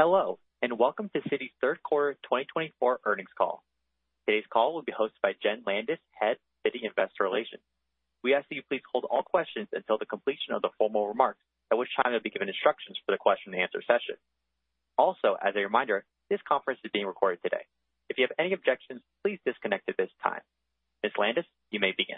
Hello, and welcome to Citi's third quarter 2024 earnings call. Today's call will be hosted by Jenn Landis, Head, Citi Investor Relations. We ask that you please hold all questions until the completion of the formal remarks, at which time you'll be given instructions for the question-and-answer session. Also, as a reminder, this conference is being recorded today. If you have any objections, please disconnect at this time. Ms. Landis, you may begin.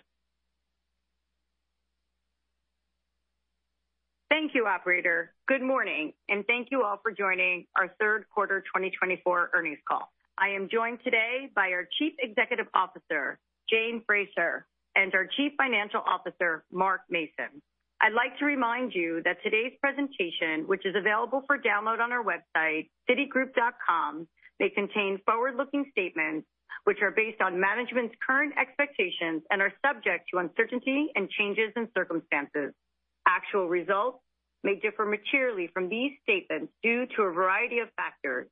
Thank you, operator. Good morning, and thank you all for joining our third quarter 2024 earnings call. I am joined today by our Chief Executive Officer, Jane Fraser, and our Chief Financial Officer, Mark Mason. I'd like to remind you that today's presentation, which is available for download on our website, citigroup.com, may contain forward-looking statements which are based on management's current expectations and are subject to uncertainty and changes in circumstances. Actual results may differ materially from these statements due to a variety of factors,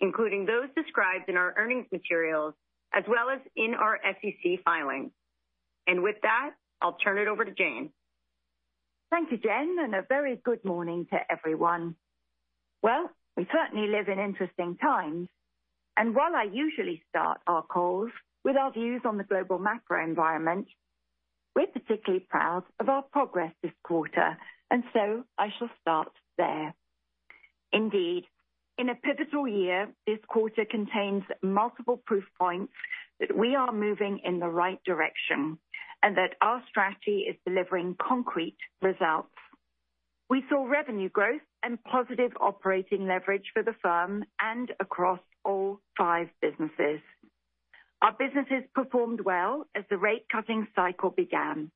including those described in our earnings materials as well as in our SEC filings. And with that, I'll turn it over to Jane. Thank you, Jenn, and a very good morning to everyone. Well, we certainly live in interesting times, and while I usually start our calls with our views on the global macro environment, we're particularly proud of our progress this quarter, and so I shall start there. Indeed, in a pivotal year, this quarter contains multiple proof points that we are moving in the right direction and that our strategy is delivering concrete results. We saw revenue growth and positive operating leverage for the firm and across all five businesses. Our businesses performed well as the rate cutting cycle began,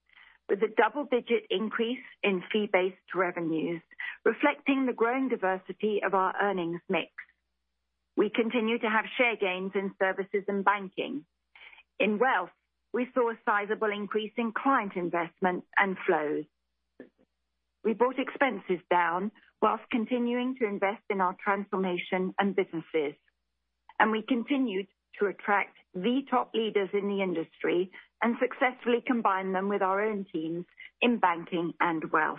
with a double-digit increase in fee-based revenues, reflecting the growing diversity of our earnings mix. We continue to have share gains in Services and Banking. In Wealth, we saw a sizable increase in client investment and flows. We brought expenses down while continuing to invest in our transformation and businesses, and we continued to attract the top leaders in the industry and successfully combine them with our own teams in Banking and Wealth.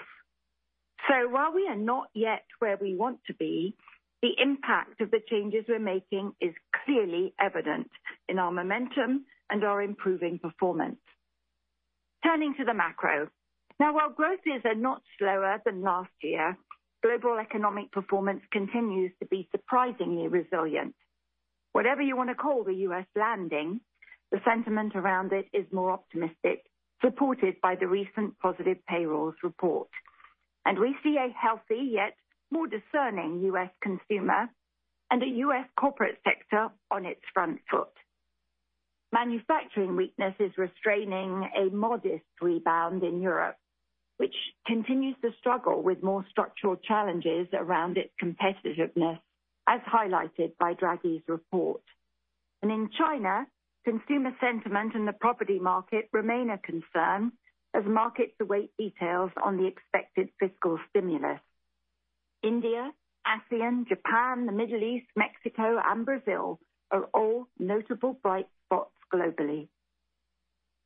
So while we are not yet where we want to be, the impact of the changes we're making is clearly evident in our momentum and our improving performance. Turning to the macro. Now, while growth is a lot slower than last year, global economic performance continues to be surprisingly resilient. Whatever you want to call the U.S. landing, the sentiment around it is more optimistic, supported by the recent positive payrolls report. And we see a healthy, yet more discerning U.S. consumer and a U.S. corporate sector on its front foot. Manufacturing weakness is restraining a modest rebound in Europe, which continues to struggle with more structural challenges around its competitiveness, as highlighted by Draghi's report, and in China, consumer sentiment in the property market remain a concern as markets await details on the expected fiscal stimulus. India, ASEAN, Japan, the Middle East, Mexico, and Brazil are all notable bright spots globally.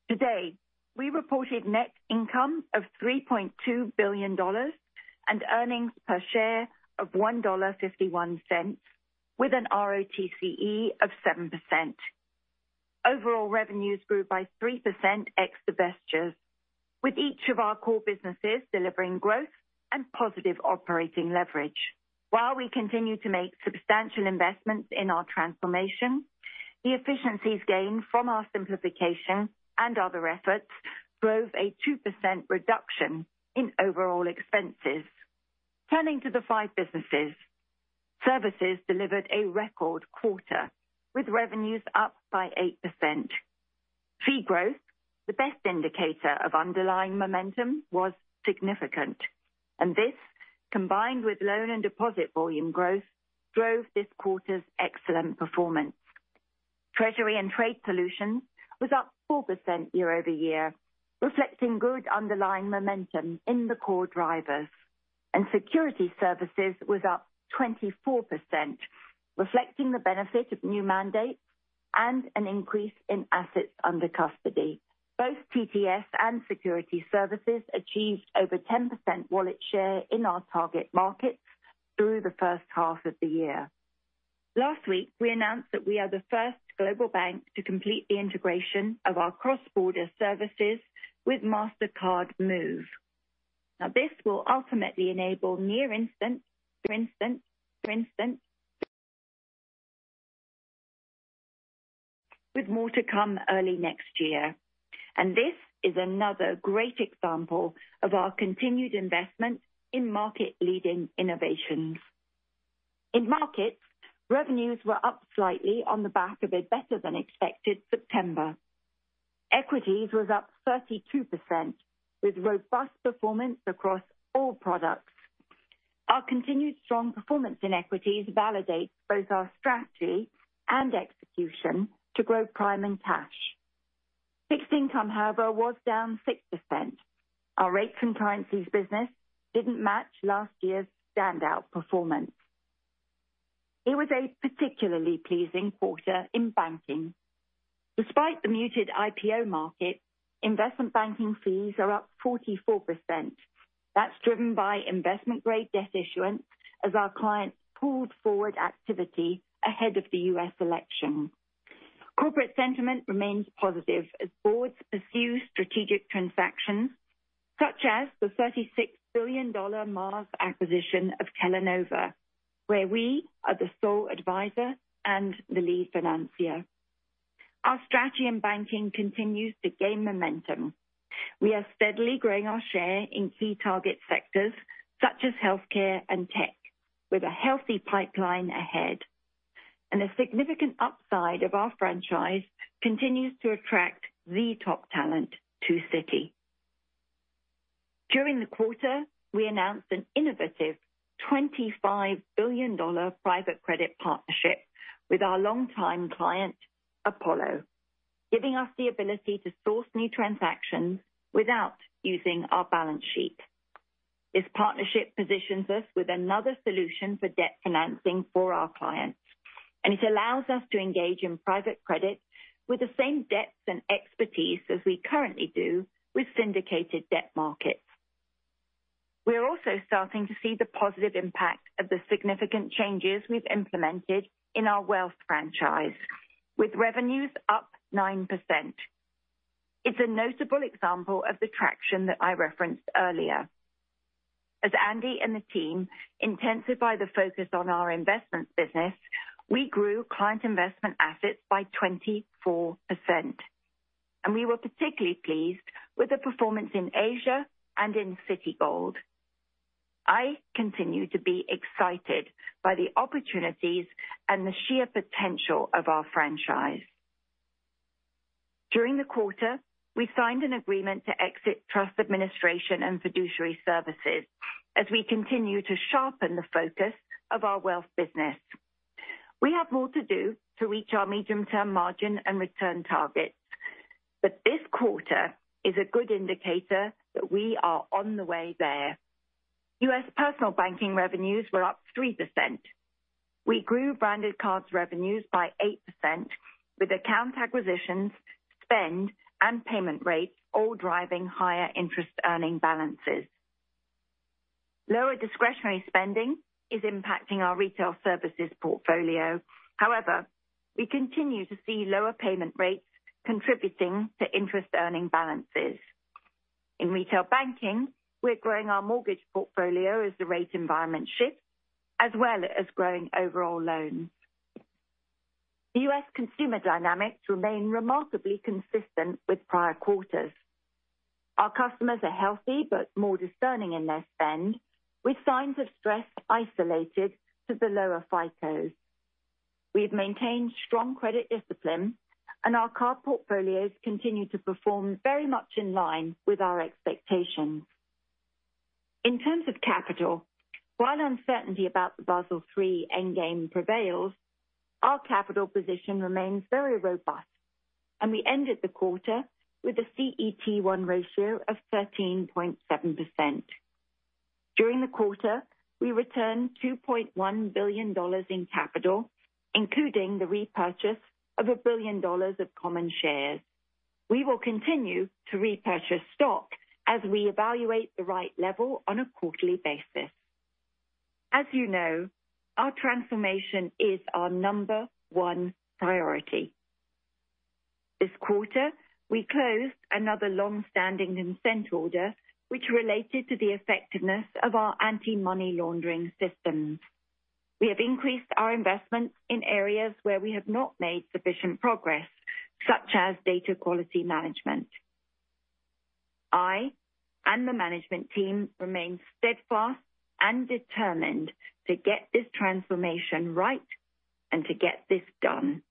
Today, we reported net income of $3.2 billion and earnings per share of $1.51, with an RoTCE of 7%. Overall revenues grew by 3% ex divestitures, with each of our core businesses delivering growth and positive operating leverage. While we continue to make substantial investments in our transformation, the efficiencies gained from our simplification and other efforts drove a 2% reduction in overall expenses. Turning to the five businesses. Services delivered a record quarter, with revenues up by 8%. Fee growth, the best indicator of underlying momentum, was significant, and this, combined with loan and deposit volume growth, drove this quarter's excellent performance. Treasury and Trade Solutions was up 4% year-over-year, reflecting good underlying momentum in the core drivers, and Securities Services was up 24%, reflecting the benefit of new mandates and an increase in assets under custody. Both TTS and Securities Services achieved over 10% wallet share in our target markets through the first half of the year. Last week, we announced that we are the first global bank to complete the integration of our cross-border services with Mastercard Move. Now, this will ultimately enable near instant, with more to come early next year, and this is another great example of our continued investment in market-leading innovations. In Markets, revenues were up slightly on the back of a better-than-expected September. Equities was up 32%, with robust performance across all products. Our continued strong performance in Equities validates both our strategy and execution to grow Prime and Cash. Fixed Income, however, was down 6%. Our Rates and Currencies business didn't match last year's standout performance. It was a particularly pleasing quarter in Banking. Despite the muted IPO market, Investment Banking fees are up 44%. That's driven by investment-grade debt issuance as our clients pulled forward activity ahead of the U.S. election. Corporate sentiment remains positive as boards pursue strategic transactions, such as the $36 billion Mars acquisition of Kellanova, where we are the sole advisor and the lead financier. Our strategy in Banking continues to gain momentum. We are steadily growing our share in key target sectors such as healthcare and tech, with a healthy pipeline ahead, and a significant upside of our franchise continues to attract the top talent to Citi. During the quarter, we announced an innovative $25 billion private credit partnership with our longtime client, Apollo, giving us the ability to source new transactions without using our balance sheet. This partnership positions us with another solution for debt financing for our clients, and it allows us to engage in private credit with the same depth and expertise as we currently do with syndicated debt markets. We are also starting to see the positive impact of the significant changes we've implemented in our Wealth franchise, with revenues up 9%. It's a notable example of the traction that I referenced earlier. As Andy and the team intensify the focus on our investment business, we grew client investment assets by 24%, and we were particularly pleased with the performance in Asia and in Citigold. I continue to be excited by the opportunities and the sheer potential of our franchise. During the quarter, we signed an agreement to exit trust administration and fiduciary services as we continue to sharpen the focus of our Wealth business. We have more to do to reach our medium-term margin and return targets, but this quarter is a good indicator that we are on the way there. U.S. Personal Banking revenues were up 3%. We grew Branded Cards revenues by 8%, with account acquisitions, spend, and payment rates all driving higher interest earning balances. Lower discretionary spending is impacting our Retail Services portfolio. However, we continue to see lower payment rates contributing to interest earning balances. In Retail Banking, we're growing our mortgage portfolio as the rate environment shifts, as well as growing overall loans. The U.S. consumer dynamics remain remarkably consistent with prior quarters. Our customers are healthy but more discerning in their spend, with signs of stress isolated to the lower FICOs. We've maintained strong credit discipline, and our card portfolios continue to perform very much in line with our expectations. In terms of capital, while uncertainty about the Basel III Endgame prevails, our capital position remains very robust, and we ended the quarter with a CET1 ratio of 13.7%. During the quarter, we returned $2.1 billion in capital, including the repurchase of $1 billion of common shares. We will continue to repurchase stock as we evaluate the right level on a quarterly basis. As you know, our transformation is our number one priority. This quarter, we closed another long-standing consent order, which related to the effectiveness of our anti-money laundering systems. We have increased our investments in areas where we have not made sufficient progress, such as data quality management. I and the management team remain steadfast and determined to get this transformation right and to get this done.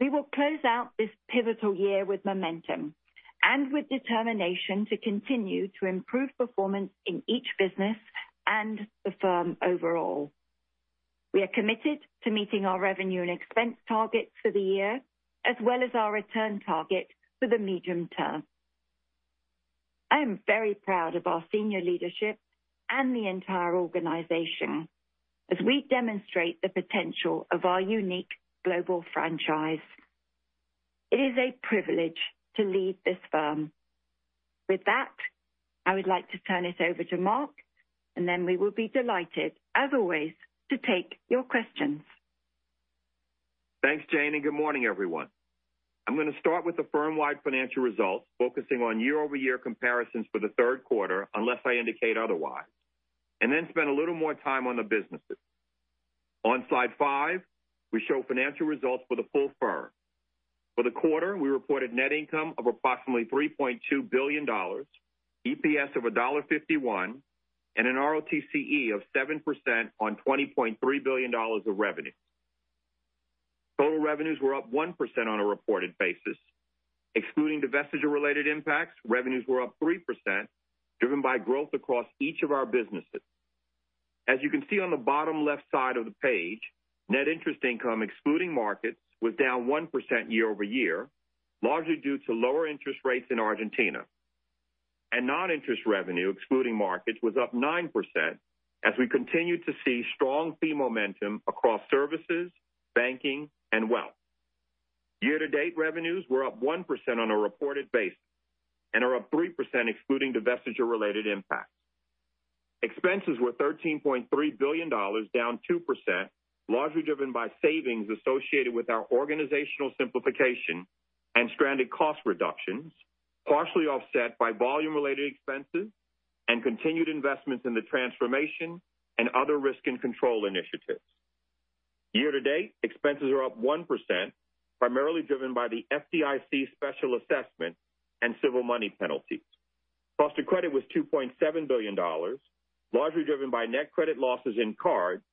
We will close out this pivotal year with momentum and with determination to continue to improve performance in each business and the firm overall. We are committed to meeting our revenue and expense targets for the year, as well as our return target for the medium term. I am very proud of our senior leadership and the entire organization as we demonstrate the potential of our unique global franchise. It is a privilege to lead this firm. With that, I would like to turn it over to Mark, and then we will be delighted, as always, to take your questions. Thanks, Jane, and good morning, everyone. I'm going to start with the firm-wide financial results, focusing on year-over-year comparisons for the third quarter, unless I indicate otherwise, and then spend a little more time on the businesses. On slide five, we show financial results for the full firm. For the quarter, we reported net income of approximately $3.2 billion, EPS of $1.51, and an RoTCE of 7% on $20.3 billion of revenue. Total revenues were up 1% on a reported basis. Excluding the divestiture-related impacts, revenues were up 3%, driven by growth across each of our businesses. As you can see on the bottom left side of the page, net interest income, excluding Markets, was down 1% year-over-year, largely due to lower interest rates in Argentina.... Non-interest revenue, excluding Markets, was up 9%, as we continued to see strong fee momentum across Services, Banking, and Wealth. Year-to-date revenues were up 1% on a reported basis and are up 3% excluding divestiture-related impacts. Expenses were $13.3 billion, down 2%, largely driven by savings associated with our organizational simplification and stranded cost reductions, partially offset by volume-related expenses and continued investments in the transformation and other risk and control initiatives. Year-to-date, expenses are up 1%, primarily driven by the FDIC special assessment and civil money penalties. Cost of credit was $2.7 billion, largely driven by net credit losses in cards,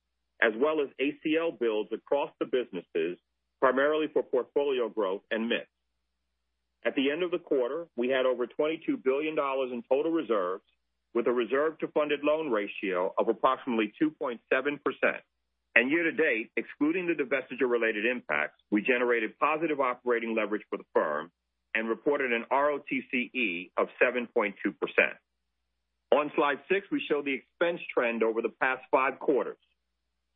as well as ACL builds across the businesses, primarily for portfolio growth and mix. At the end of the quarter, we had over $22 billion in total reserves, with a reserve to funded loan ratio of approximately 2.7%. And year-to-date, excluding the divestiture-related impacts, we generated positive operating leverage for the firm and reported an RoTCE of 7.2%. On slide six, we show the expense trend over the past five quarters.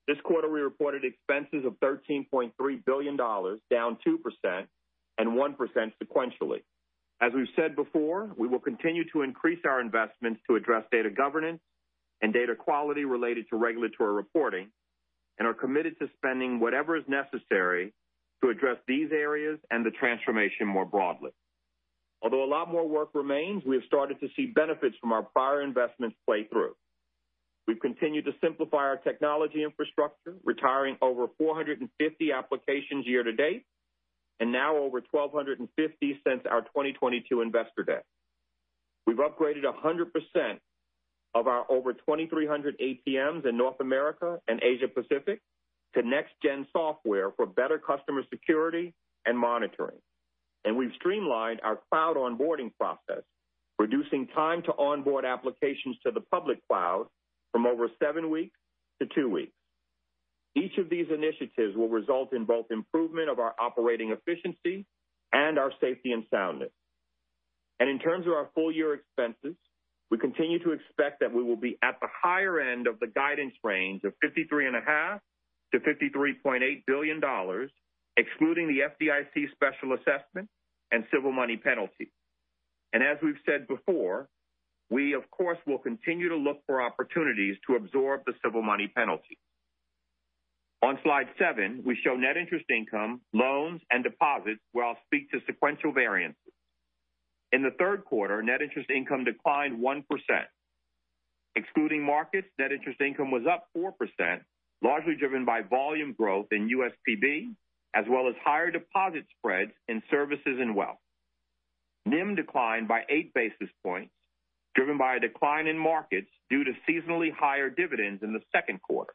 This quarter, we reported expenses of $13.3 billion, down 2% and 1% sequentially. As we've said before, we will continue to increase our investments to address data governance and data quality related to regulatory reporting, and are committed to spending whatever is necessary to address these areas and the transformation more broadly. Although a lot more work remains, we have started to see benefits from our prior investments play through. We’ve continued to simplify our technology infrastructure, retiring over 450 applications year-to-date, and now over 1,250 since our 2022 Investor Day. We’ve upgraded 100% of our over 2,300 ATMs in North America and Asia Pacific to next-gen software for better customer security and monitoring. We’ve streamlined our cloud onboarding process, reducing time to onboard applications to the public cloud from over 7 weeks to 2 weeks. Each of these initiatives will result in both improvement of our operating efficiency and our safety and soundness. In terms of our full year expenses, we continue to expect that we will be at the higher end of the guidance range of $53.5 billion-$53.8 billion, excluding the FDIC special assessment and civil money penalty. As we've said before, we of course will continue to look for opportunities to absorb the civil money penalty. On slide seven, we show net interest income, loans, and deposits, where I'll speak to sequential variances. In the third quarter, net interest income declined 1%. Excluding Markets, net interest income was up 4%, largely driven by volume growth in USPB, as well as higher deposit spreads in Services and Wealth. NIM declined by eight basis points, driven by a decline in Markets due to seasonally higher dividends in the second quarter.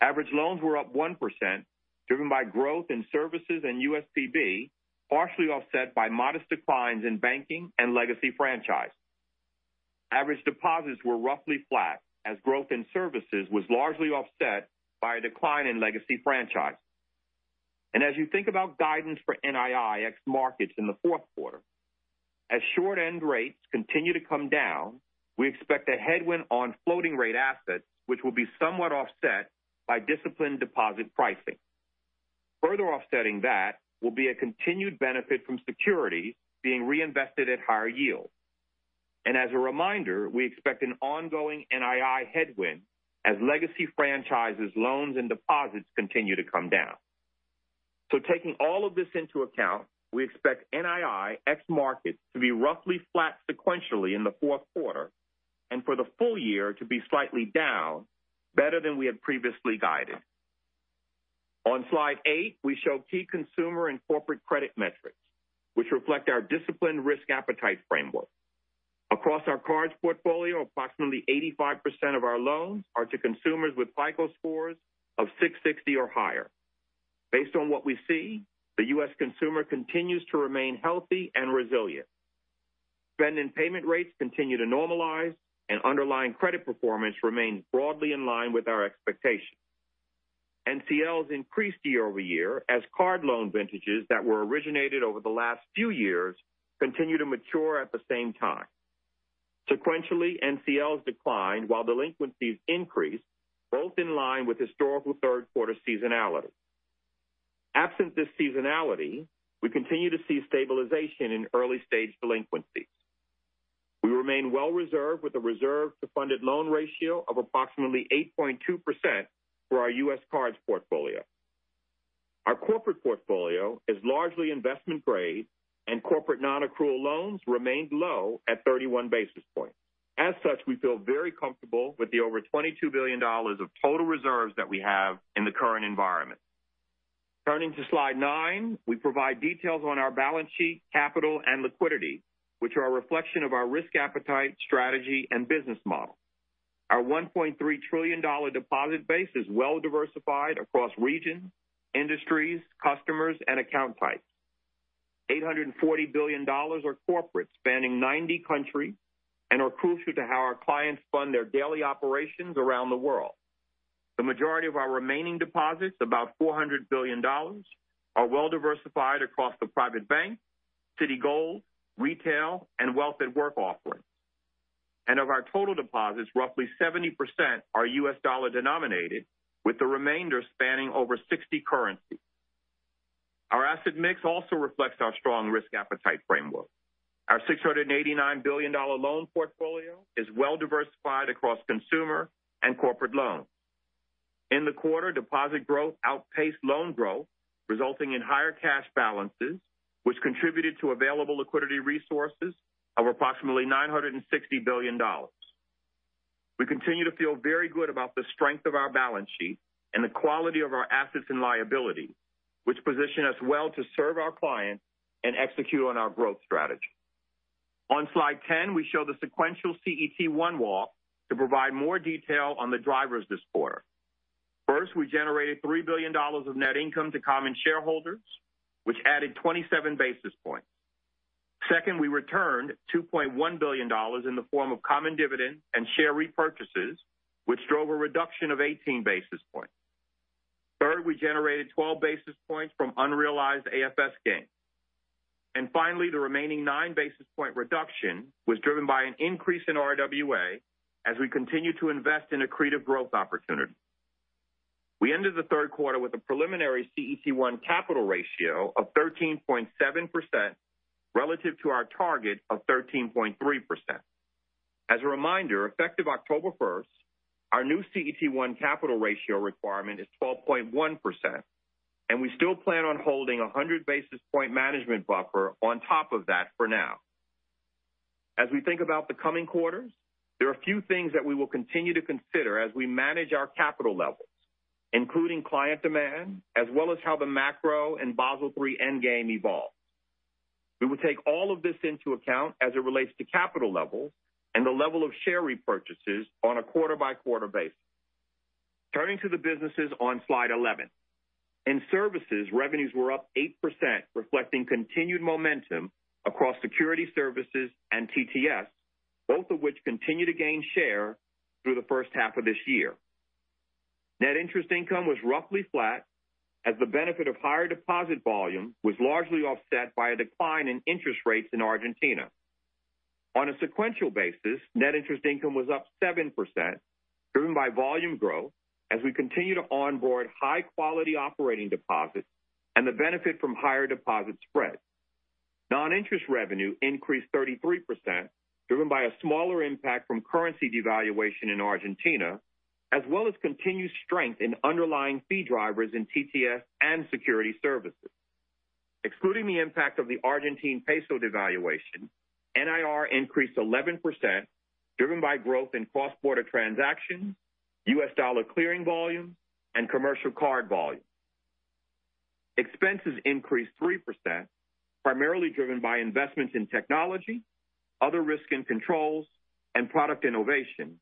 Average loans were up 1%, driven by growth in Services and USPB, partially offset by modest declines in Banking and Legacy Franchise. Average deposits were roughly flat, as growth in Services was largely offset by a decline in Legacy Franchise. And as you think about guidance for NII ex-Markets in the fourth quarter, as short-end rates continue to come down, we expect a headwind on floating rate assets, which will be somewhat offset by disciplined deposit pricing. Further offsetting that will be a continued benefit from securities being reinvested at higher yields. And as a reminder, we expect an ongoing NII headwind as Legacy Franchises, loans, and deposits continue to come down. So taking all of this into account, we expect NII ex-Markets, to be roughly flat sequentially in the fourth quarter, and for the full year to be slightly down, better than we had previously guided. On slide eight, we show key consumer and corporate credit metrics, which reflect our disciplined risk appetite framework. Across our cards portfolio, approximately 85% of our loans are to consumers with FICO scores of 660 or higher. Based on what we see, the U.S. consumer continues to remain healthy and resilient. Spending payment rates continue to normalize, and underlying credit performance remains broadly in line with our expectations. NCLs increased year-over-year as card loan vintages that were originated over the last few years continue to mature at the same time. Sequentially, NCLs declined while delinquencies increased, both in line with historical third quarter seasonality. Absent this seasonality, we continue to see stabilization in early-stage delinquencies. We remain well reserved with a reserve to funded loan ratio of approximately 8.2% for our U.S. cards portfolio. Our corporate portfolio is largely investment-grade, and corporate nonaccrual loans remained low at 31 basis points. As such, we feel very comfortable with the over $22 billion of total reserves that we have in the current environment. Turning to slide nine, we provide details on our balance sheet, capital, and liquidity, which are a reflection of our risk appetite, strategy, and business model. Our $1.3 trillion deposit base is well diversified across regions, industries, customers, and account types. $840 billion are corporate, spanning 90 countries, and are crucial to how our clients fund their daily operations around the world. The majority of our remaining deposits, about $400 billion, are well diversified across the Private Bank, Citigold, Retail, and Wealth at Work offerings, and of our total deposits, roughly 70% are U.S. dollar denominated, with the remainder spanning over 60 currencies. Our asset mix also reflects our strong risk appetite framework. Our $689 billion loan portfolio is well diversified across consumer and corporate loans. In the quarter, deposit growth outpaced loan growth, resulting in higher cash balances, which contributed to available liquidity resources of approximately $960 billion. We continue to feel very good about the strength of our balance sheet and the quality of our assets and liabilities, which position us well to serve our clients and execute on our growth strategy. On slide 10, we show the sequential CET1 walk to provide more detail on the drivers this quarter. First, we generated $3 billion of net income to common shareholders, which added 27 basis points. Second, we returned $2.1 billion in the form of common dividend and share repurchases, which drove a reduction of 18 basis points. Third, we generated 12 basis points from unrealized AFS gains. And finally, the remaining nine basis point reduction was driven by an increase in RWA as we continue to invest in accretive growth opportunities. We ended the third quarter with a preliminary CET1 capital ratio of 13.7% relative to our target of 13.3%. As a reminder, effective October 1st, our new CET1 capital ratio requirement is 12.1%, and we still plan on holding a 100 basis point management buffer on top of that for now. As we think about the coming quarters, there are a few things that we will continue to consider as we manage our capital levels, including client demand, as well as how the macro and Basel III Endgame evolves. We will take all of this into account as it relates to capital levels and the level of share repurchases on a quarter-by-quarter basis. Turning to the businesses on slide 11. In Services, revenues were up 8%, reflecting continued momentum across Securities Services and TTS, both of which continue to gain share through the first half of this year. Net interest income was roughly flat, as the benefit of higher deposit volume was largely offset by a decline in interest rates in Argentina. On a sequential basis, net interest income was up 7%, driven by volume growth as we continue to onboard high-quality operating deposits and the benefit from higher deposit spreads. Non-interest revenue increased 33%, driven by a smaller impact from currency devaluation in Argentina, as well as continued strength in underlying fee drivers in TTS and Securities Services. Excluding the impact of the Argentine peso devaluation, NIR increased 11%, driven by growth in cross-border transactions, U.S. dollar clearing volume, and commercial card volume. Expenses increased 3%, primarily driven by investments in technology, other risk and controls, and product innovation,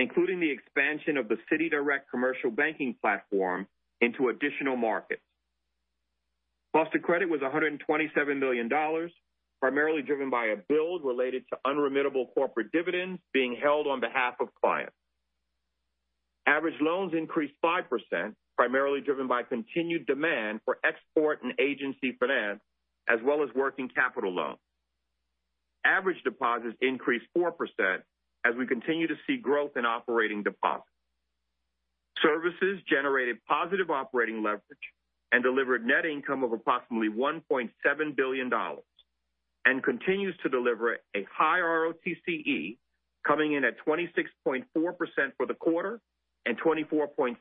including the expansion of the CitiDirect Commercial Banking platform into additional markets. Cost of credit was $127 million, primarily driven by a build related to unremittable corporate dividends being held on behalf of clients. Average loans increased 5%, primarily driven by continued demand for export and agency finance, as well as working capital loans. Average deposits increased 4% as we continue to see growth in operating deposits. Services generated positive operating leverage and delivered net income of approximately $1.7 billion, and continues to deliver a high RoTCE, coming in at 26.4% for the quarter and 24.7%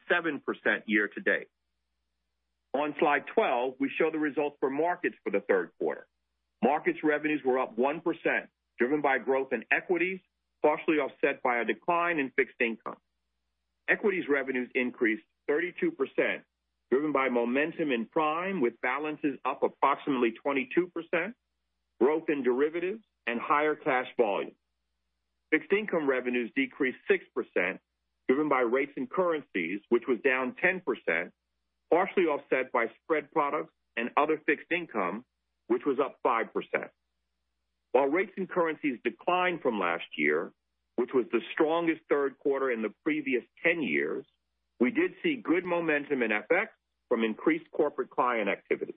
year-to-date. On slide 12, we show the results for Markets for the third quarter. Markets revenues were up 1%, driven by growth in Equities, partially offset by a decline in Fixed Income. Equities revenues increased 32%, driven by momentum in Prime, with balances up approximately 22%, growth in derivatives, and higher cash volume. Fixed Income revenues decreased 6%, driven by Rates and Currencies, which was down 10%, partially offset by Spread Products and Other Fixed Income, which was up 5%. While Rates and Currencies declined from last year, which was the strongest third quarter in the previous 10 years, we did see good momentum in FX from increased corporate client activity.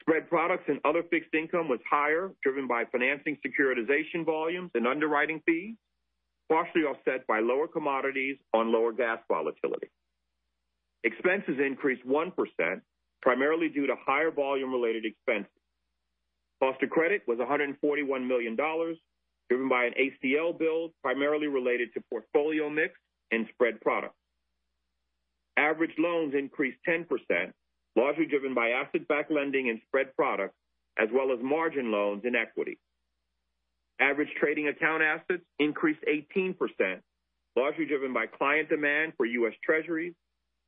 Spread Products and Other Fixed Income was higher, driven by financing securitization volumes and underwriting fees, partially offset by lower commodities on lower gas volatility. Expenses increased 1%, primarily due to higher volume-related expenses. Cost of credit was $141 million, driven by an ACL build, primarily related to portfolio mix and Spread Products. Average loans increased 10%, largely driven by asset-backed lending and Spread Products, as well as margin loans and equity. Average trading account assets increased 18%, largely driven by client demand for U.S. Treasuries,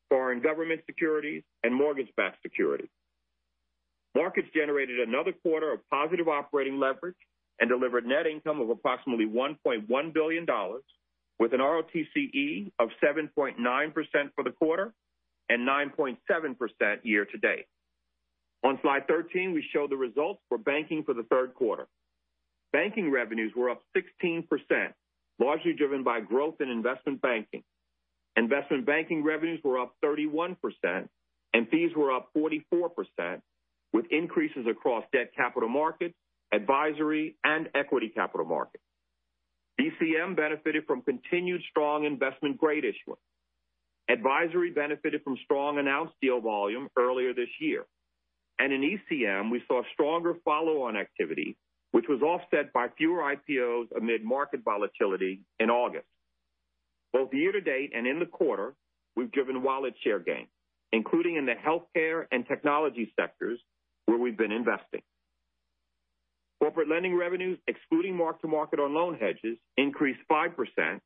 foreign government securities, and mortgage-backed securities. Markets generated another quarter of positive operating leverage and delivered net income of approximately $1.1 billion, with an RoTCE of 7.9%... and 9.7% year-to-date. On slide 13, we show the results for banking for the third quarter. Banking revenues were up 16%, largely driven by growth in Investment Banking. Investment Banking revenues were up 31%, and fees were up 44%, with increases across debt capital markets, advisory, and equity capital markets. ECM benefited from continued strong investment-grade issuance. Advisory benefited from strong announced deal volume earlier this year. In ECM, we saw stronger follow-on activity, which was offset by fewer IPOs amid market volatility in August. Both year-to-date and in the quarter, we've driven wallet share gain, including in the healthcare and technology sectors, where we've been investing. Corporate Lending revenues, excluding mark-to-market on loan hedges, increased 5%,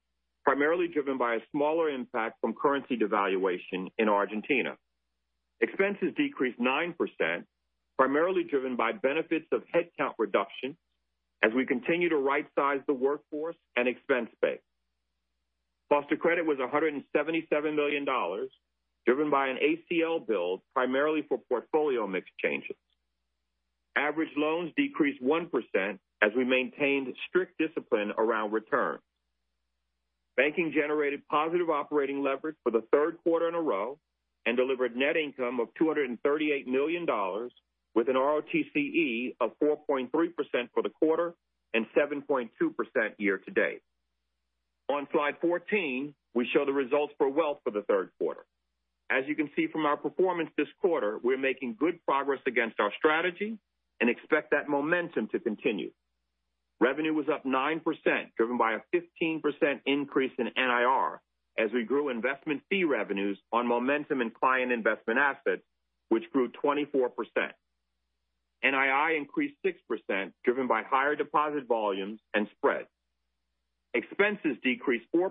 primarily driven by a smaller impact from currency devaluation in Argentina. Expenses decreased 9%, primarily driven by benefits of headcount reduction as we continue to rightsize the workforce and expense base. Cost of credit was $177 million, driven by an ACL build, primarily for portfolio mix changes. Average loans decreased 1% as we maintained strict discipline around returns. Banking generated positive operating leverage for the third quarter in a row and delivered net income of $238 million, with an RoTCE of 4.3% for the quarter and 7.2% year-to-date. On slide 14, we show the results for Wealth for the third quarter. As you can see from our performance this quarter, we're making good progress against our strategy and expect that momentum to continue. Revenue was up 9%, driven by a 15% increase in NIR, as we grew investment fee revenues on momentum in client investment assets, which grew 24%. NII increased 6%, driven by higher deposit volumes and spreads. Expenses decreased 4%,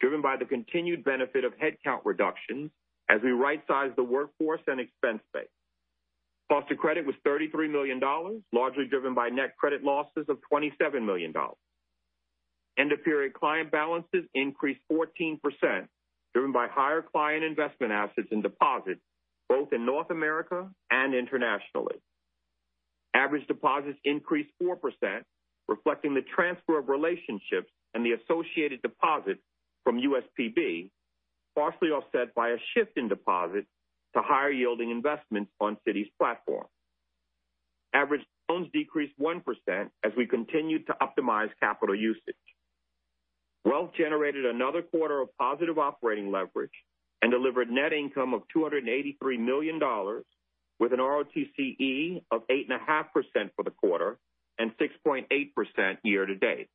driven by the continued benefit of headcount reductions as we rightsize the workforce and expense base. Cost of credit was $33 million, largely driven by net credit losses of $27 million. End-of-period client balances increased 14%, driven by higher client investment assets and deposits, both in North America and internationally. Average deposits increased 4%, reflecting the transfer of relationships and the associated deposits from USPB, partially offset by a shift in deposits to higher-yielding investments on Citi's platform. Average loans decreased 1% as we continued to optimize capital usage. Wealth generated another quarter of positive operating leverage and delivered net income of $283 million, with an RoTCE of 8.5% for the quarter and 6.8% year-to-date.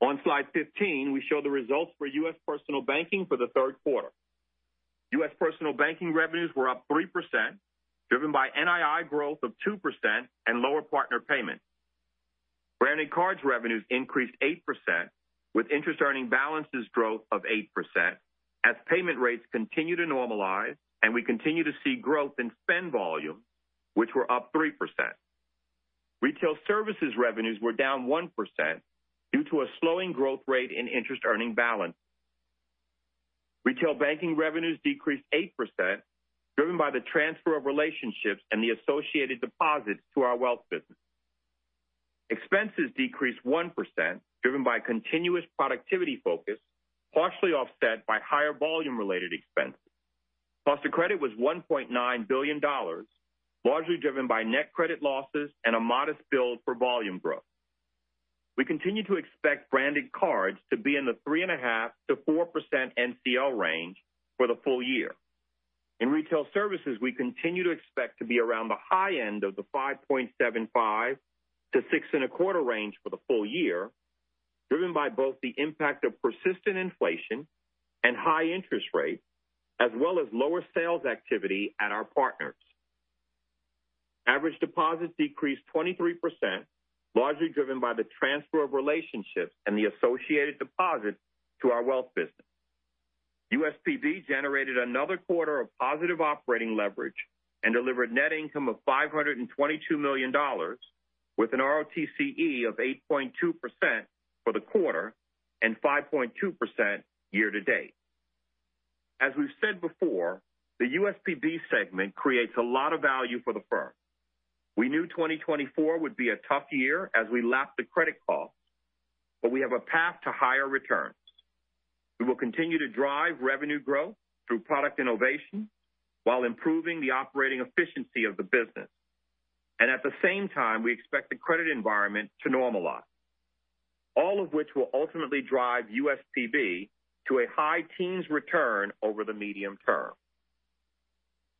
On slide 15, we show the results for U.S. Personal Banking for the third quarter. U.S. Personal Banking revenues were up 3%, driven by NII growth of 2% and lower partner payments. Branded Cards revenues increased 8%, with interest-earning balances growth of 8%, as payment rates continue to normalize, and we continue to see growth in spend volume, which were up 3%. Retail Services revenues were down 1% due to a slowing growth rate in interest earning balance. Retail Banking revenues decreased 8%, driven by the transfer of relationships and the associated deposits to our Wealth business. Expenses decreased 1%, driven by continuous productivity focus, partially offset by higher volume-related expenses. Cost of credit was $1.9 billion, largely driven by net credit losses and a modest build for volume growth. We continue to expect Branded Cards to be in the 3.5%-4% NCL range for the full year. In Retail Services, we continue to expect to be around the high end of the 5.75%-6.25% range for the full year, driven by both the impact of persistent inflation and high interest rates, as well as lower sales activity at our partners. Average deposits decreased 23%, largely driven by the transfer of relationships and the associated deposits to our Wealth business. USPB generated another quarter of positive operating leverage and delivered net income of $522 million, with an RoTCE of 8.2% for the quarter and 5.2% year-to-date. As we've said before, the USPB segment creates a lot of value for the firm. We knew 2024 would be a tough year as we lap the credit costs, but we have a path to higher returns. We will continue to drive revenue growth through product innovation while improving the operating efficiency of the business. At the same time, we expect the credit environment to normalize, all of which will ultimately drive USPB to a high-teens return over the medium term.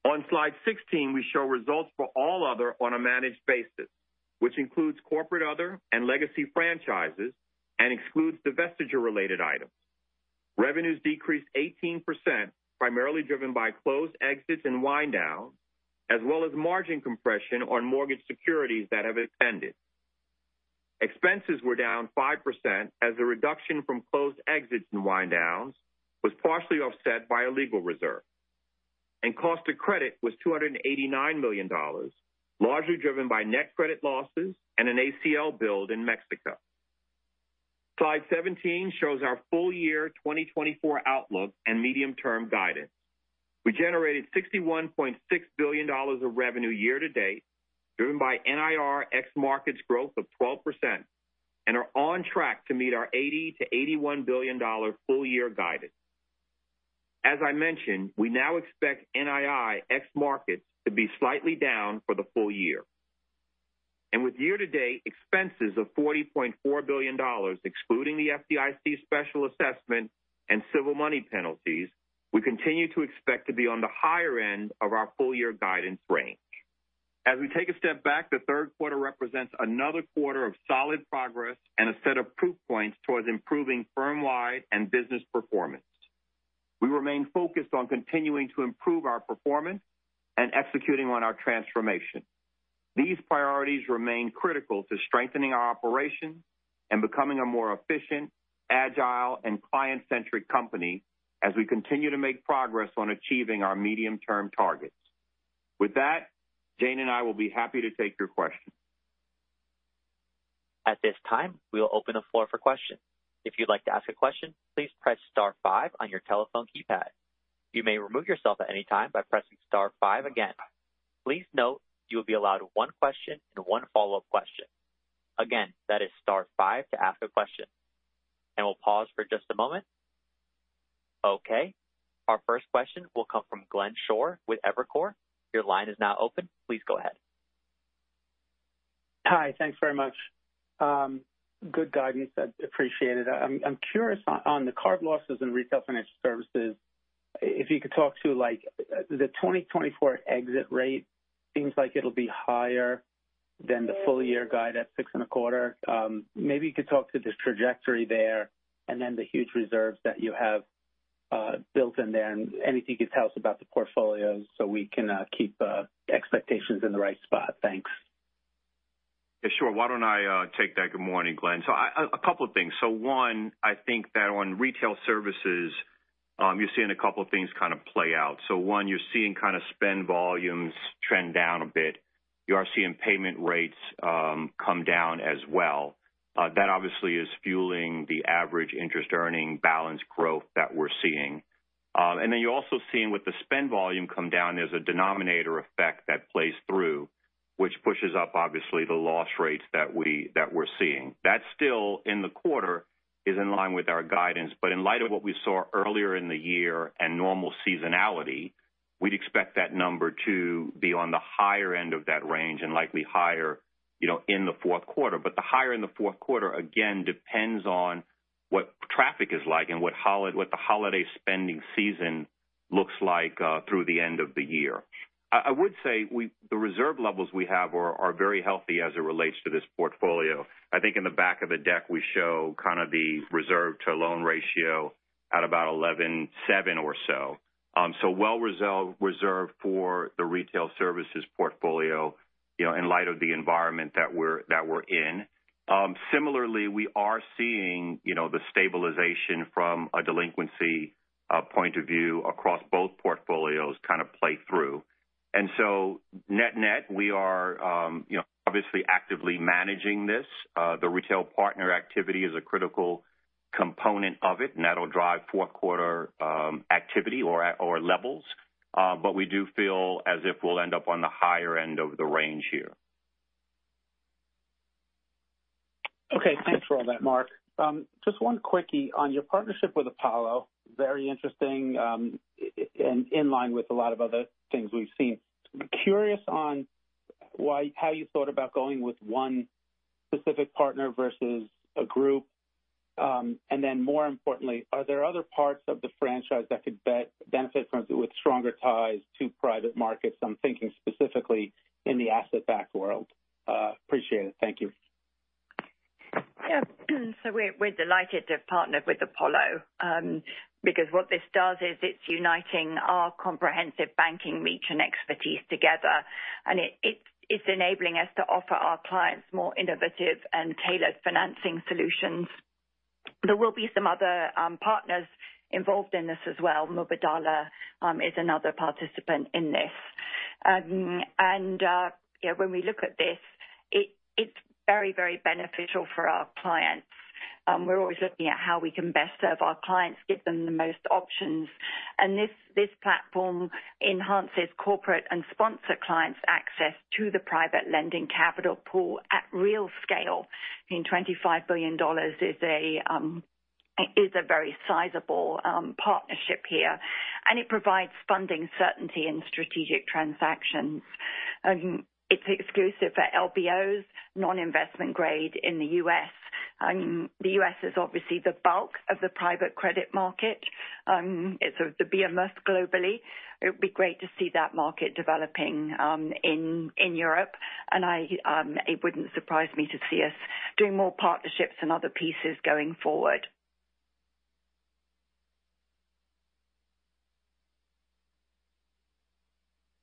On slide 16, we show results for all other on a managed basis, which includes corporate other and Legacy Franchises and excludes divestiture-related items. Revenues decreased 18%, primarily driven by closed exits and wind downs, as well as margin compression on mortgage securities that have extended. Expenses were down 5%, as the reduction from closed exits and wind downs was partially offset by a legal reserve, and cost of credit was $289 million, largely driven by net credit losses and an ACL build in Mexico. Slide 17 shows our full-year 2024 outlook and medium-term guidance. We generated $61.6 billion of revenue year to date, driven by NIR ex-Markets growth of 12%, and are on track to meet our $80 billion-$81 billion full year guidance. As I mentioned, we now expect NII ex-Markets to be slightly down for the full year, and with year-to-date expenses of $40.4 billion, excluding the FDIC special assessment and civil money penalties, we continue to expect to be on the higher end of our full year guidance range. As we take a step back, the third quarter represents another quarter of solid progress and a set of proof points towards improving firm-wide and business performance. We remain focused on continuing to improve our performance and executing on our transformation. These priorities remain critical to strengthening our operations and becoming a more efficient, agile, and client-centric company as we continue to make progress on achieving our medium-term targets. With that, Jane and I will be happy to take your questions. At this time, we will open the floor for questions. If you'd like to ask a question, please press star five on your telephone keypad. You may remove yourself at any time by pressing star five again. Please note, you will be allowed one question and one follow-up question. Again, that is star five to ask a question, and we'll pause for just a moment. Okay, our first question will come from Glenn Schorr with Evercore. Your line is now open. Please go ahead. Hi, thanks very much. Good guidance. I appreciate it. I'm curious on the card losses in Retail financial services, if you could talk to, like, the 2024 exit rate seems like it'll be higher than the full year guide at 6.25%. Maybe you could talk to the trajectory there and then the huge reserves that you have built in there, and anything you could tell us about the portfolios so we can keep expectations in the right spot. Thanks. Yeah, sure. Why don't I take that? Good morning, Glenn. So a couple of things. So one, I think that on Retail Services, you're seeing a couple of things kind of play out. So one, you're seeing kind of spend volumes trend down a bit. You are seeing payment rates come down as well. That obviously is fueling the average interest earning balance growth that we're seeing. And then you're also seeing with the spend volume come down, there's a denominator effect that plays through, which pushes up, obviously, the loss rates that we're seeing. That still, in the quarter, is in line with our guidance, but in light of what we saw earlier in the year and normal seasonality, we'd expect that number to be on the higher end of that range and likely higher, you know, in the fourth quarter. But the higher in the fourth quarter, again, depends on what traffic is like and what the holiday spending season looks like through the end of the year. I would say we, the reserve levels we have are very healthy as it relates to this portfolio. I think in the back of the deck, we show kind of the reserve to loan ratio at about 11.7% or so. So well reserved for the Retail Services portfolio, you know, in light of the environment that we're in. Similarly, we are seeing, you know, the stabilization from a delinquency point of view across both portfolios kind of play through. And so net-net, we are, you know, obviously actively managing this. The retail partner activity is a critical component of it, and that'll drive fourth quarter activity or levels, but we do feel as if we'll end up on the higher end of the range here. Okay, thanks for all that, Mark. Just one quickie on your partnership with Apollo. Very interesting, and in line with a lot of other things we've seen. Curious on how you thought about going with one specific partner versus a group. And then more importantly, are there other parts of the franchise that could benefit from stronger ties to private markets? I'm thinking specifically in the asset-backed world. Appreciate it. Thank you. Yeah. So we're delighted to have partnered with Apollo, because what this does is it's uniting our comprehensive banking reach and expertise together, and it's enabling us to offer our clients more innovative and tailored financing solutions. There will be some other partners involved in this as well. Mubadala is another participant in this. And, you know, when we look at this, it's very beneficial for our clients. We're always looking at how we can best serve our clients, give them the most options. And this platform enhances corporate and sponsor clients' access to the private lending capital pool at real scale. I mean, $25 billion is a very sizable partnership here, and it provides funding certainty in strategic transactions. It's exclusive for LBOs, non-investment-grade in the U.S. The U.S. is obviously the bulk of the private credit market. It's the behemoth globally. It would be great to see that market developing in Europe. It wouldn't surprise me to see us doing more partnerships and other pieces going forward.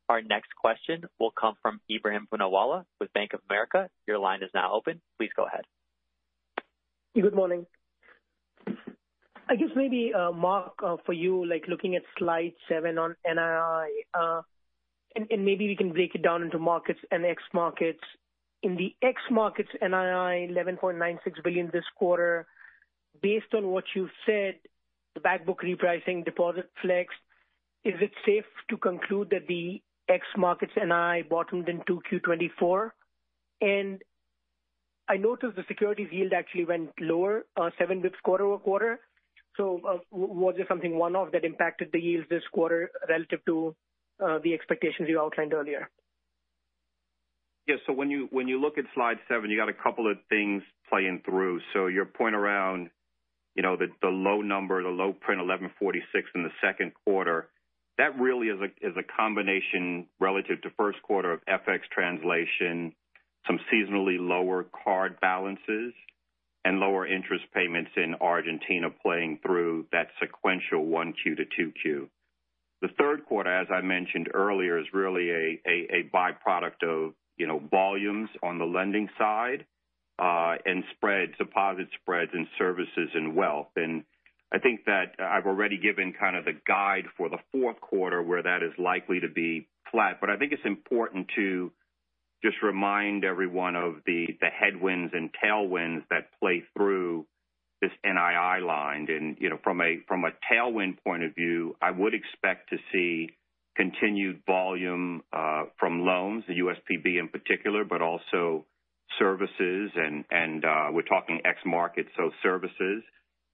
Our next question will come from Ebrahim Poonawala with Bank of America. Your line is now open. Please go ahead. Good morning.... I guess maybe, Mark, for you, like looking at slide seven on NII, and maybe we can break it down into Markets and ex-Markets. In the ex-Markets NII, $11.96 billion this quarter. Based on what you've said, the back book repricing deposit flex, is it safe to conclude that the ex-Markets NII bottomed in 2Q 2024? And I noticed the securities yield actually went lower, seven basis points quarter-over-quarter. So, was there something one-off that impacted the yields this quarter relative to the expectations you outlined earlier? Yes. So when you look at slide seven, you got a couple of things playing through. So your point around, you know, the low number, the low print 1,146 in the second quarter, that really is a combination relative to first quarter of FX translation, some seasonally lower card balances and lower interest payments in Argentina playing through that sequential 1Q to 2Q. The third quarter, as I mentioned earlier, is really a byproduct of, you know, volumes on the lending side, and spread, deposit spreads in Services and Wealth. And I think that I've already given kind of the guide for the fourth quarter where that is likely to be flat. But I think it's important to just remind everyone of the headwinds and tailwinds that play through this NII line. And, you know, from a tailwind point of view, I would expect to see continued volume from loans, the USPB in particular, but also Services and we're talking ex-Markets, so Services.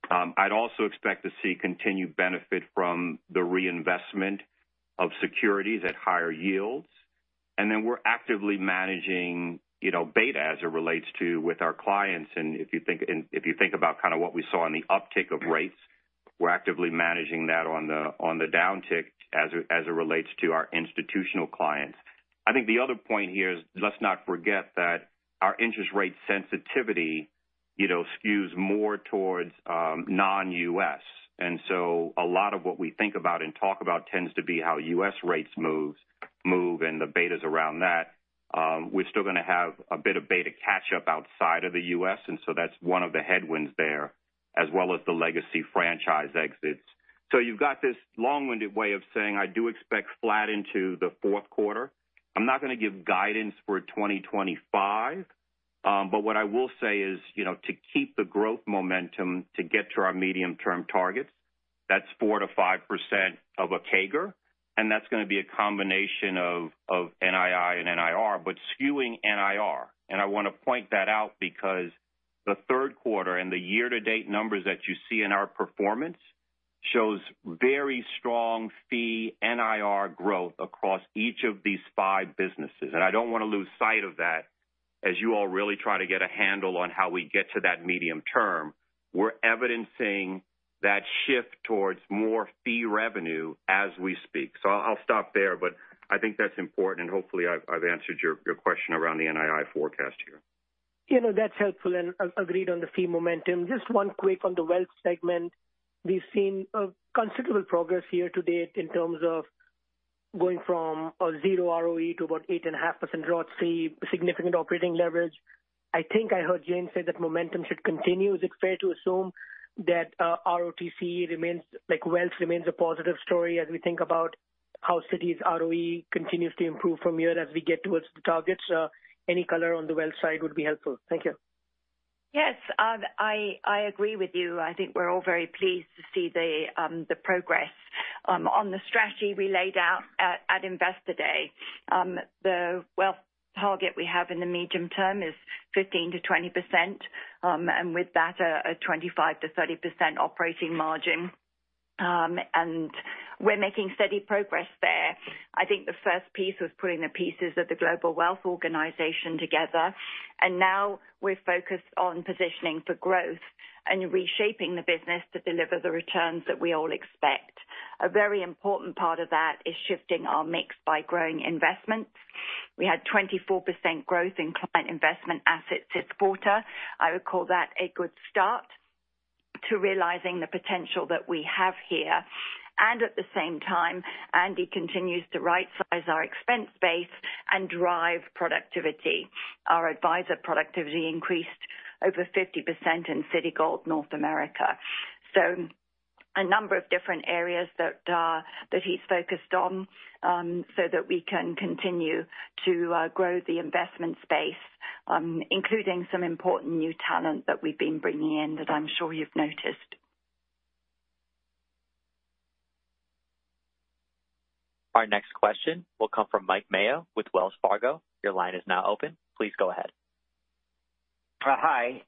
I'd also expect to see continued benefit from the reinvestment of securities at higher yields. And then we're actively managing, you know, beta as it relates to with our clients. And if you think about kind of what we saw in the uptick of rates, we're actively managing that on the downtick as it relates to our institutional clients. I think the other point here is let's not forget that our interest rate sensitivity, you know, skews more towards non-U.S. A lot of what we think about and talk about tends to be how U.S. rates move and the betas around that. We're still gonna have a bit of beta catch up outside of the U.S., and so that's one of the headwinds there, as well as the Legacy Franchise exits. You've got this long-winded way of saying I do expect flat into the fourth quarter. I'm not gonna give guidance for 2025, but what I will say is, you know, to keep the growth momentum to get to our medium-term targets, that's 4%-5% of a CAGR, and that's gonna be a combination of NII and NIR, but skewing NIR. I wanna point that out because the third quarter and the year-to-date numbers that you see in our performance shows very strong fee NIR growth across each of these five businesses. I don't wanna lose sight of that as you all really try to get a handle on how we get to that medium term. We're evidencing that shift towards more fee revenue as we speak. I'll stop there, but I think that's important, and hopefully I've answered your question around the NII forecast here. You know, that's helpful, and agreed on the fee momentum. Just one quick on the Wealth segment. We've seen considerable progress year to date in terms of going from a zero ROE to about 8.5% RoTCE, significant operating leverage. I think I heard Jane say that momentum should continue. Is it fair to assume that RoTCE remains, like, Wealth remains a positive story as we think about how Citi's ROE continues to improve from here as we get towards the targets? Any color on the Wealth side would be helpful. Thank you. Yes, I agree with you. I think we're all very pleased to see the progress on the strategy we laid out at Investor Day. The Wealth target we have in the medium term is 15%-20%, and with that, a 25%-30% operating margin, and we're making steady progress there. I think the first piece was putting the pieces of the global Wealth organization together, and now we're focused on positioning for growth and reshaping the business to deliver the returns that we all expect. A very important part of that is shifting our mix by growing investments. We had 24% growth in client investment assets this quarter. I would call that a good start to realizing the potential that we have here. And at the same time, Andy continues to rightsize our expense base and drive productivity. Our advisor productivity increased over 50% in Citigold, North America. So a number of different areas that he's focused on, so that we can continue to grow the investment space, including some important new talent that we've been bringing in, that I'm sure you've noticed. Our next question will come from Mike Mayo with Wells Fargo. Your line is now open. Please go ahead. Hi.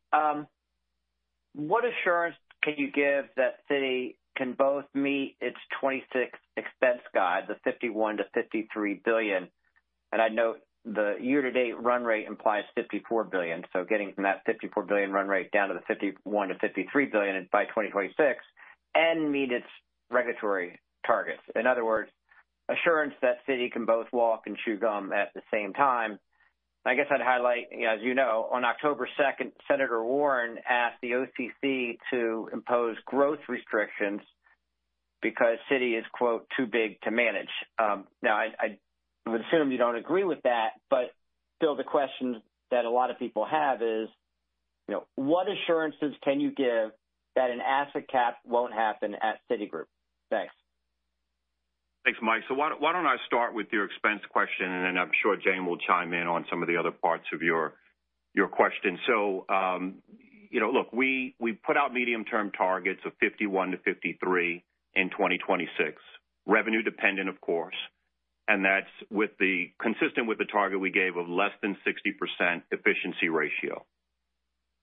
What assurance can you give that Citi can both meet its 2026 expense guide, the $51 billion-$53 billion? And I'd note the year-to-date run rate implies $54 billion. So getting from that $54 billion run rate down to the $51 billion-$53 billion by 2026 and meet its regulatory targets. In other words, assurance that Citi can both walk and chew gum at the same time. I guess I'd highlight, as you know, on October 2nd, Senator Warren asked the OCC to impose growth restrictions because Citi is, quote, "Too big to manage." Now, I would assume you don't agree with that, but still the question that a lot of people have is, you know, what assurances can you give that an asset cap won't happen at Citigroup? Thanks. Thanks, Mike. So why don't I start with your expense question, and then I'm sure Jane will chime in on some of the other parts of your question. So, you know, look, we've put out medium-term targets of $51 billion-$53 billion in 2026. Revenue dependent, of course, and that's consistent with the target we gave of less than 60% efficiency ratio.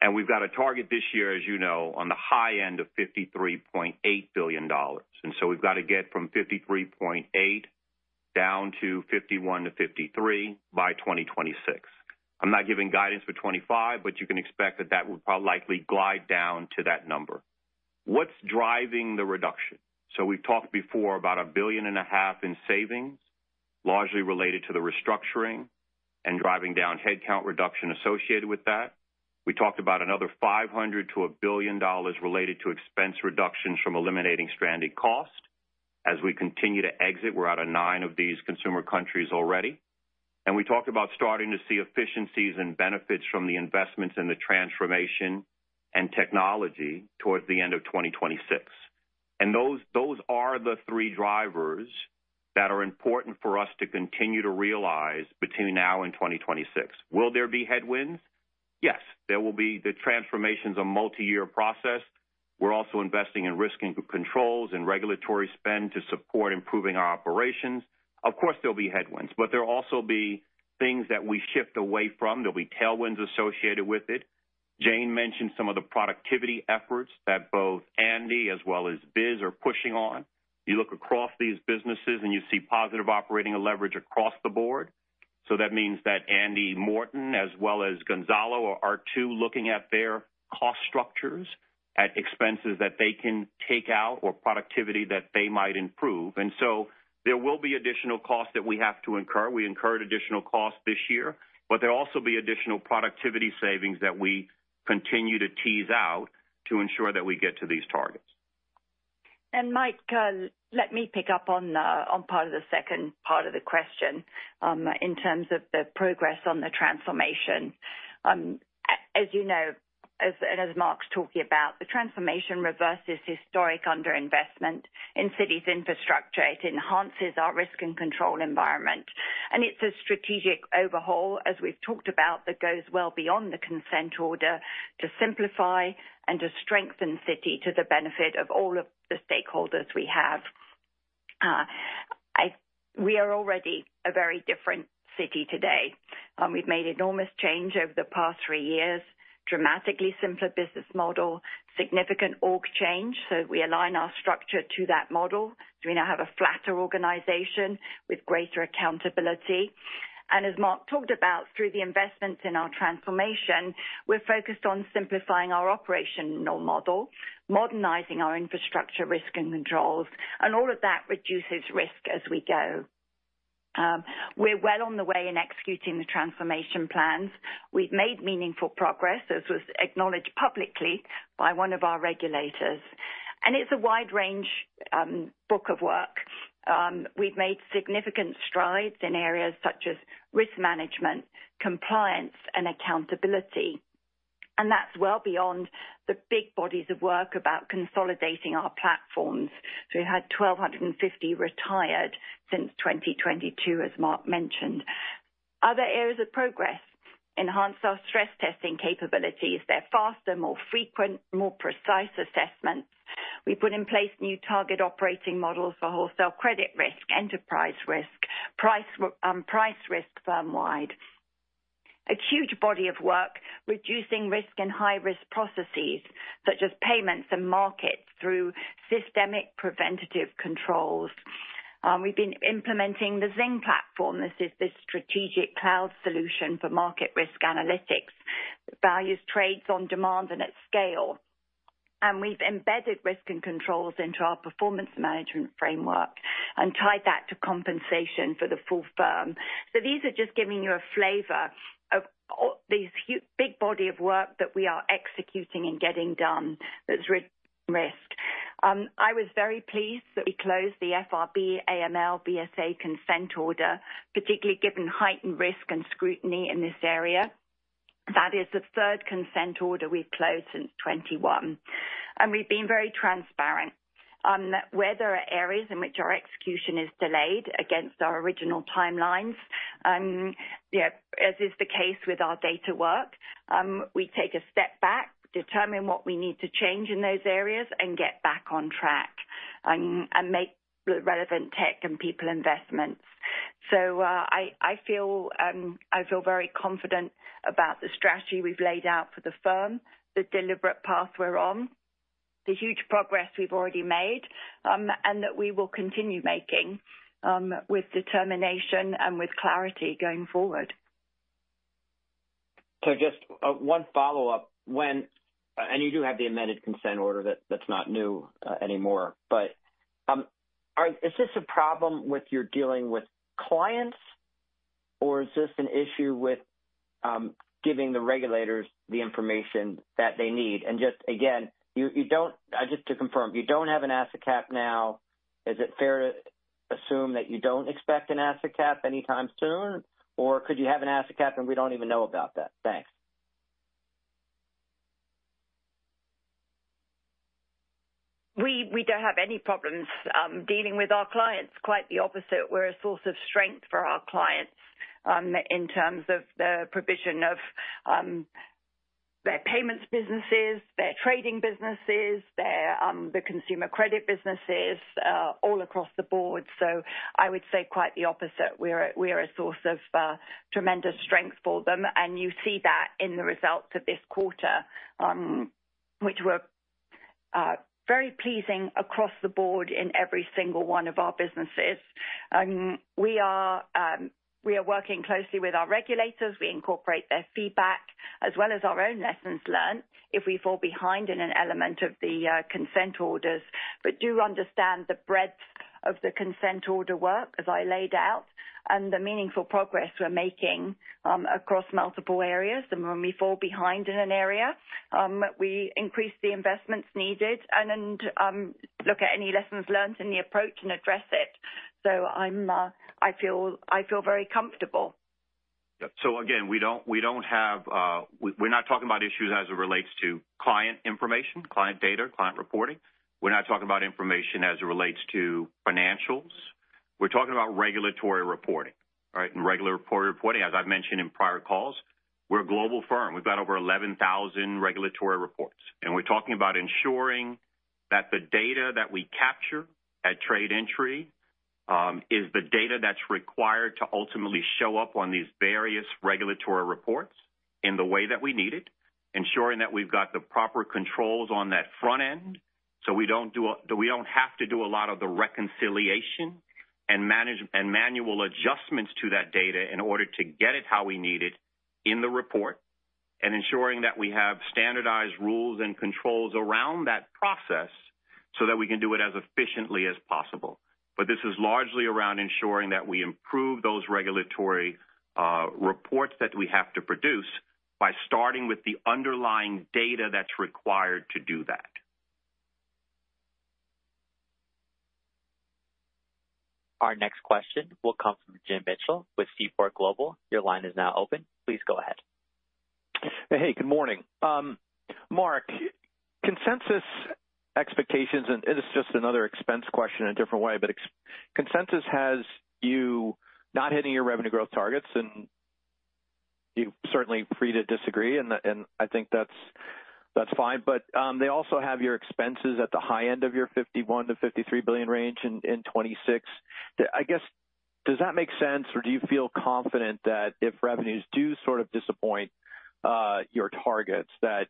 And we've got a target this year, as you know, on the high end of $53.8 billion. And so we've got to get from $53.8 billion down to $51 billion-$53 billion by 2026. I'm not giving guidance for 2025, but you can expect that that will probably likely glide down to that number. What's driving the reduction? So we've talked before about $1.5 billion in savings, largely related to the restructuring and driving down headcount reduction associated with that. We talked about another $500 million to $1 billion related to expense reductions from eliminating stranding costs. As we continue to exit, we're out of nine of these consumer countries already. And we talked about starting to see efficiencies and benefits from the investments in the transformation and technology towards the end of 2026. And those, those are the three drivers that are important for us to continue to realize between now and 2026. Will there be headwinds? Yes, there will be. The transformation is a multi-year process. We're also investing in risk and controls and regulatory spend to support improving our operations. Of course, there'll be headwinds, but there'll also be things that we shift away from. There'll be tailwinds associated with it. Jane mentioned some of the productivity efforts that both Andy as well as Vis are pushing on. You look across these businesses and you see positive operating leverage across the board. So that means that Andy Morton as well as Gonzalo are too looking at their cost structures, at expenses that they can take out or productivity that they might improve. And so there will be additional costs that we have to incur. We incurred additional costs this year, but there'll also be additional productivity savings that we continue to tease out to ensure that we get to these targets. And Mike, let me pick up on part of the second part of the question, in terms of the progress on the transformation. As you know, and as Mark's talking about, the transformation reverses historic underinvestment in Citi's infrastructure. It enhances our risk and control environment, and it's a strategic overhaul, as we've talked about, that goes well beyond the consent order to simplify and to strengthen Citi to the benefit of all of the stakeholders we have. We are already a very different Citi today. We've made enormous change over the past three years, dramatically simpler business model, significant org change, so we align our structure to that model. So we now have a flatter organization with greater accountability. As Mark talked about, through the investments in our transformation, we're focused on simplifying our operational model, modernizing our infrastructure, risk and controls, and all of that reduces risk as we go. We're well on the way in executing the transformation plans. We've made meaningful progress, as was acknowledged publicly by one of our regulators, and it's a wide range, book of work. We've made significant strides in areas such as risk management, compliance, and accountability, and that's well beyond the big bodies of work about consolidating our platforms. We've had 1,250 retired since 2022, as Mark mentioned. Other areas of progress enhanced our stress testing capabilities. They're faster, more frequent, more precise assessments. We put in place new target operating models for wholesale credit risk, enterprise risk, price risk firm-wide. A huge body of work, reducing risk and high-risk processes, such as payments and Markets, through systemic preventative controls. We've been implementing the XiNG platform. This is the strategic cloud solution for market risk analytics, values trades on demand and at scale. We've embedded risk and controls into our performance management framework and tied that to compensation for the full firm. These are just giving you a flavor of these big body of work that we are executing and getting done, that's risk. I was very pleased that we closed the FRB, AML, BSA consent order, particularly given heightened risk and scrutiny in this area. That is the third consent order we've closed since 2021, and we've been very transparent where there are areas in which our execution is delayed against our original timelines. Yeah, as is the case with our data work, we take a step back, determine what we need to change in those areas, and get back on track, and make relevant tech and people investments. So, I feel very confident about the strategy we've laid out for the firm, the deliberate path we're on, the huge progress we've already made, and that we will continue making, with determination and with clarity going forward. So just one follow-up. And you do have the amended consent order, that's not new anymore, but is this a problem with your dealing with clients? Or is this an issue with giving the regulators the information that they need? And just, again, just to confirm, you don't have an asset cap now. Is it fair to assume that you don't expect an asset cap anytime soon, or could you have an asset cap and we don't even know about that? Thanks. We don't have any problems dealing with our clients. Quite the opposite, we're a source of strength for our clients in terms of the provision of their payments businesses, their trading businesses, their, the consumer credit businesses all across the board, so I would say quite the opposite. We are a source of tremendous strength for them, and you see that in the results of this quarter, which were very pleasing across the board in every single one of our businesses, and we are working closely with our regulators. We incorporate their feedback as well as our own lessons learned if we fall behind in an element of the consent orders, but do understand the breadth of the consent order work, as I laid out, and the meaningful progress we're making across multiple areas. When we fall behind in an area, we increase the investments needed and then look at any lessons learned in the approach and address it. So, I feel very comfortable. Yeah. So again, we don't have. We're not talking about issues as it relates to client information, client data, client reporting. We're not talking about information as it relates to financials. We're talking about regulatory reporting, right? And regulatory reporting, as I've mentioned in prior calls, we're a global firm. We've got over eleven thousand regulatory reports, and we're talking about ensuring that the data that we capture at trade entry is the data that's required to ultimately show up on these various regulatory reports in the way that we need it, ensuring that we've got the proper controls on that front end, so that we don't have to do a lot of the reconciliation and manual adjustments to that data in order to get it how we need it in the report. And ensuring that we have standardized rules and controls around that process, so that we can do it as efficiently as possible. But this is largely around ensuring that we improve those regulatory reports that we have to produce by starting with the underlying data that's required to do that. Our next question will come from Jim Mitchell with Seaport Global. Your line is now open. Please go ahead. Hey, good morning. Mark, consensus expectations, and this is just another expense question in a different way, but consensus has you not hitting your revenue growth targets, and you're certainly free to disagree, and I think that's fine. But they also have your expenses at the high end of your $51 billion-$53 billion range in 2026. I guess, does that make sense, or do you feel confident that if revenues do sort of disappoint your targets, that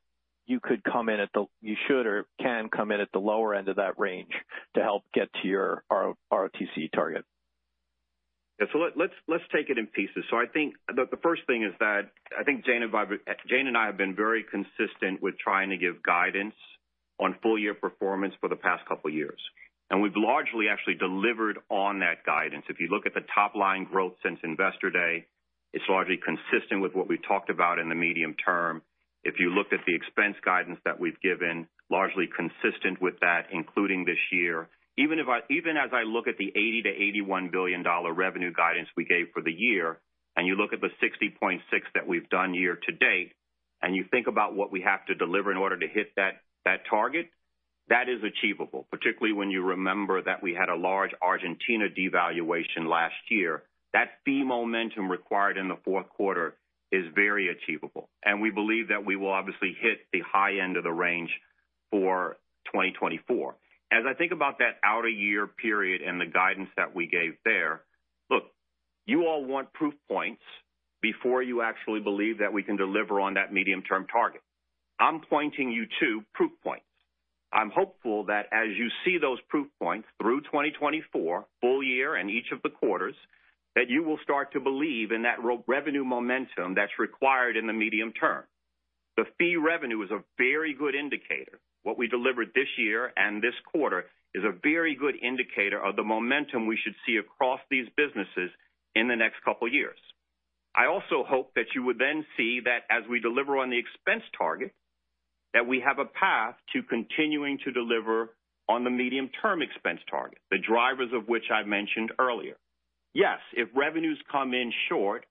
you should or can come in at the lower end of that range to help get to your RoTCE target? Yeah. So let's take it in pieces. So I think the first thing is that I think Jane and I have been very consistent with trying to give guidance on full year performance for the past couple of years, and we've largely actually delivered on that guidance. If you look at the top line growth since Investor Day, it's largely consistent with what we talked about in the medium term. If you looked at the expense guidance that we've given, largely consistent with that, including this year. Even as I look at the $80 billion-$81 billion revenue guidance we gave for the year, and you look at the $60.6 that we've done year to date, and you think about what we have to deliver in order to hit that, that target, that is achievable, particularly when you remember that we had a large Argentina devaluation last year. That fee momentum required in the fourth quarter is very achievable, and we believe that we will obviously hit the high end of the range for 2024. As I think about that outer year period and the guidance that we gave there, look, you all want proof points before you actually believe that we can deliver on that medium-term target. I'm pointing you to proof points. I'm hopeful that as you see those proof points through 2024, full year and each of the quarters, that you will start to believe in that revenue momentum that's required in the medium term. The fee revenue is a very good indicator. What we delivered this year and this quarter is a very good indicator of the momentum we should see across these businesses in the next couple of years. I also hope that you would then see that as we deliver on the expense target, that we have a path to continuing to deliver on the medium-term expense target, the drivers of which I mentioned earlier. Yes, if revenues come in short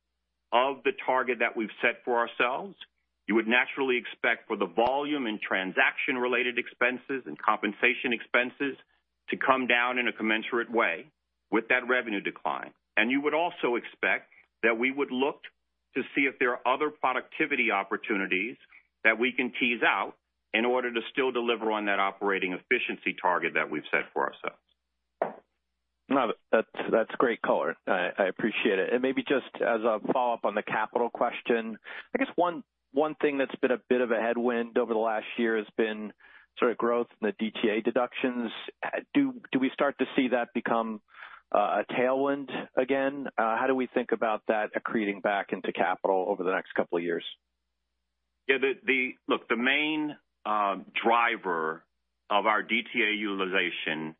of the target that we've set for ourselves, you would naturally expect for the volume and transaction-related expenses and compensation expenses to come down in a commensurate way with that revenue decline. You would also expect that we would look to see if there are other productivity opportunities that we can tease out in order to still deliver on that operating efficiency target that we've set for ourselves. No, that's, that's great color. I appreciate it. And maybe just as a follow-up on the capital question, I guess one thing that's been a bit of a headwind over the last year has been sort of growth in the DTA deductions. Do we start to see that become a tailwind again? How do we think about that accreting back into capital over the next couple of years?... Yeah, look, the main driver of our DTA utilization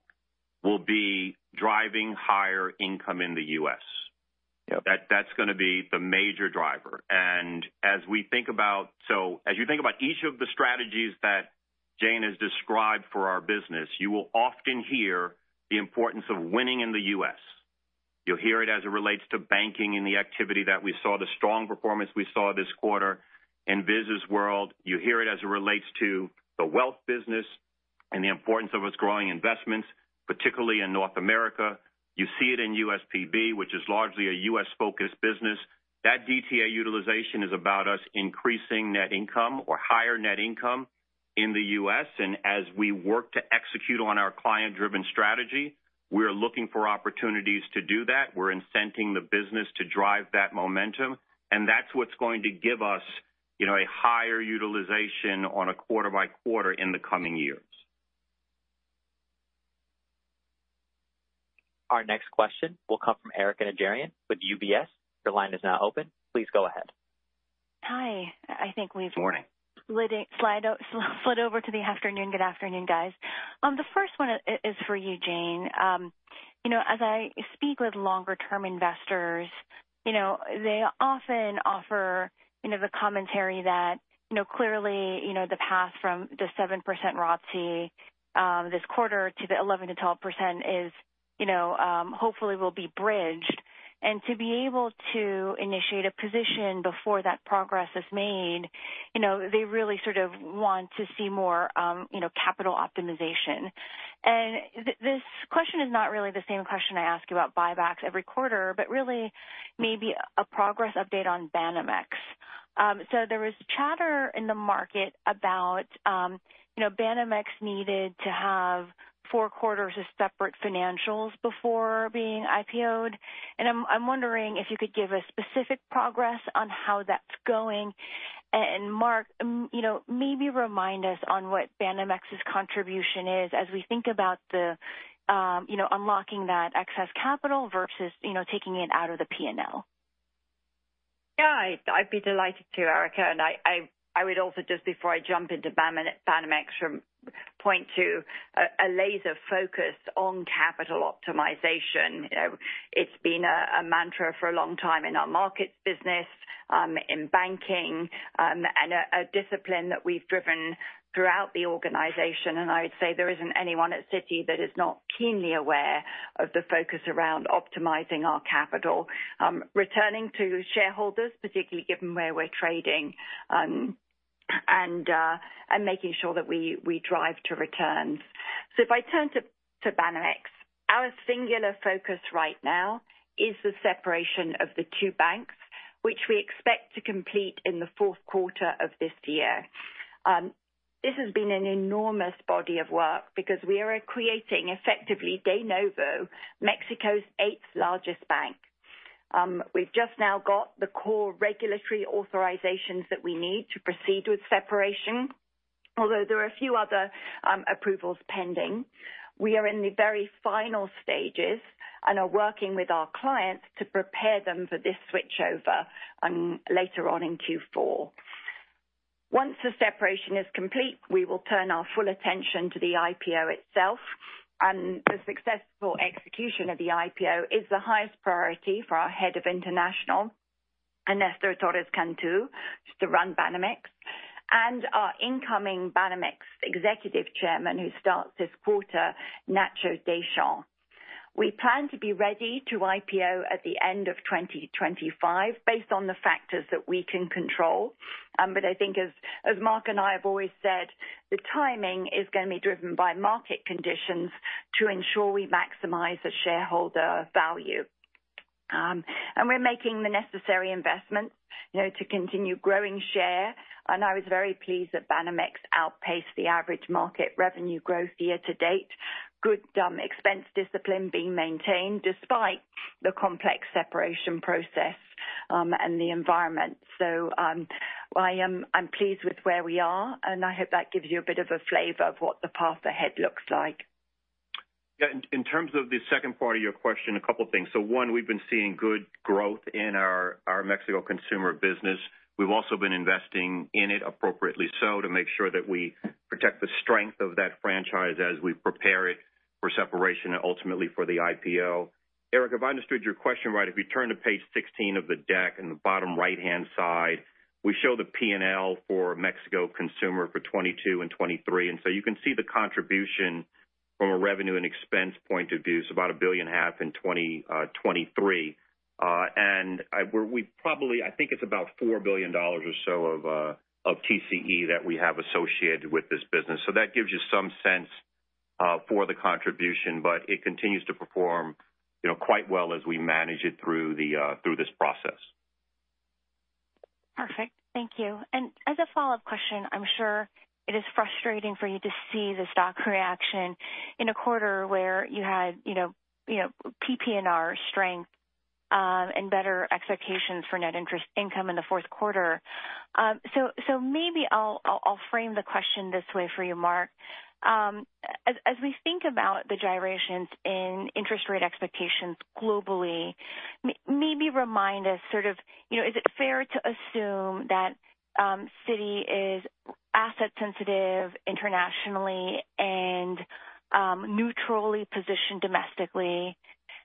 will be driving higher income in the US. Yep. That, that's gonna be the major driver. And as we think about, so as you think about each of the strategies that Jane has described for our business, you will often hear the importance of winning in the U.S. You'll hear it as it relates to banking and the activity that we saw, the strong performance we saw this quarter in Vis's world. You hear it as it relates to the Wealth business and the importance of us growing investments, particularly in North America. You see it in USPB, which is largely a U.S.-focused business. That DTA utilization is about us increasing net income or higher net income in the U.S., and as we work to execute on our client-driven strategy, we are looking for opportunities to do that. We're incenting the business to drive that momentum, and that's what's going to give us, you know, a higher utilization on a quarter by quarter in the coming years. Our next question will come from Erika Najarian with UBS. Your line is now open. Please go ahead. Hi. I think we've- Morning. Slid over to the afternoon. Good afternoon, guys. The first one is for you, Jane. You know, as I speak with longer-term investors, you know, they often offer, you know, the commentary that, you know, clearly, you know, the path from the 7% RoTCE this quarter to the 11%-12% is, you know, hopefully will be bridged. And to be able to initiate a position before that progress is made, you know, they really sort of want to see more, you know, capital optimization. And this question is not really the same question I ask you about buybacks every quarter, but really maybe a progress update on Banamex. There was chatter in the market about, you know, Banamex needed to have four quarters of separate financials before being IPO'd, and I'm wondering if you could give a specific progress on how that's going. Mark, you know, maybe remind us on what Banamex's contribution is as we think about the, you know, unlocking that excess capital versus, you know, taking it out of the P&L. Yeah, I'd be delighted to, Erika, and I would also, just before I jump into Banamex, point to a laser focus on capital optimization. You know, it's been a mantra for a long time in our Markets business, in Banking, and a discipline that we've driven throughout the organization, and I'd say there isn't anyone at Citi that is not keenly aware of the focus around optimizing our capital. Returning to shareholders, particularly given where we're trading, and making sure that we drive to returns. So if I turn to Banamex, our singular focus right now is the separation of the two banks, which we expect to complete in the fourth quarter of this year. This has been an enormous body of work because we are creating, effectively, de novo, Mexico's eighth largest bank. We've just now got the core regulatory authorizations that we need to proceed with separation, although there are a few other approvals pending. We are in the very final stages and are working with our clients to prepare them for this switchover later on in Q4. Once the separation is complete, we will turn our full attention to the IPO itself, and the successful execution of the IPO is the highest priority for our Head of International, Ernesto Torres Cantú, to run Banamex, and our incoming Banamex Executive Chairman, who starts this quarter, Ignacio Deschamps. We plan to be ready to IPO at the end of 2025 based on the factors that we can control. But I think as Mark and I have always said, the timing is gonna be driven by market conditions to ensure we maximize the shareholder value. And we're making the necessary investments, you know, to continue growing share, and I was very pleased that Banamex outpaced the average market revenue growth year to date. Good expense discipline being maintained despite the complex separation process, and the environment. So, I'm pleased with where we are, and I hope that gives you a bit of a flavor of what the path ahead looks like. Yeah, in terms of the second part of your question, a couple things. So one, we've been seeing good growth in our Mexico Consumer business. We've also been investing in it appropriately so to make sure that we protect the strength of that franchise as we prepare it for separation and ultimately for the IPO. Erika, if I understood your question right, if you turn to page 16 of the deck in the bottom right-hand side, we show the P&L for Mexico Consumer for 2022 and 2023. And so you can see the contribution from a revenue and expense point of view. It's about $1.5 billion in 2023. And I think it's about $4 billion or so of TCE that we have associated with this business. So that gives you some sense for the contribution, but it continues to perform, you know, quite well as we manage it through this process. Perfect. Thank you. And as a follow-up question, I'm sure it is frustrating for you to see the stock reaction in a quarter where you had, you know, PPNR strength, and better expectations for net interest income in the fourth quarter. So maybe I'll frame the question this way for you, Mark. As we think about the gyrations in interest rate expectations globally, maybe remind us sort of, you know, is it fair to assume that Citi is asset sensitive internationally and neutrally positioned domestically?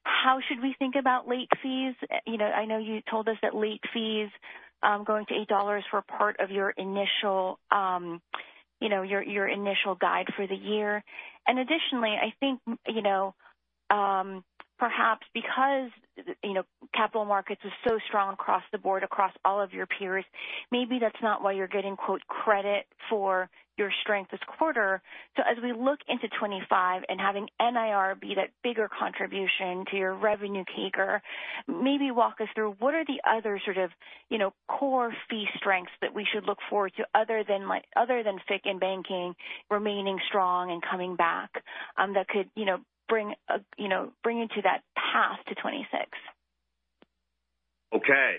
How should we think about late fees? You know, I know you told us that late fees going to $8 were part of your initial guide for the year. And additionally, I think, you know, perhaps because, you know, capital markets are so strong across the board, across all of your peers, maybe that's not why you're getting, quote, credit for your strength this quarter. So as we look into 2025 and having NIR be that bigger contribution to your revenue taker, maybe walk us through what are the other sort of, you know, core fee strengths that we should look forward to other than like other than FICC and Banking remaining strong and coming back, that could, you know, bring you to that path to 2026? Okay.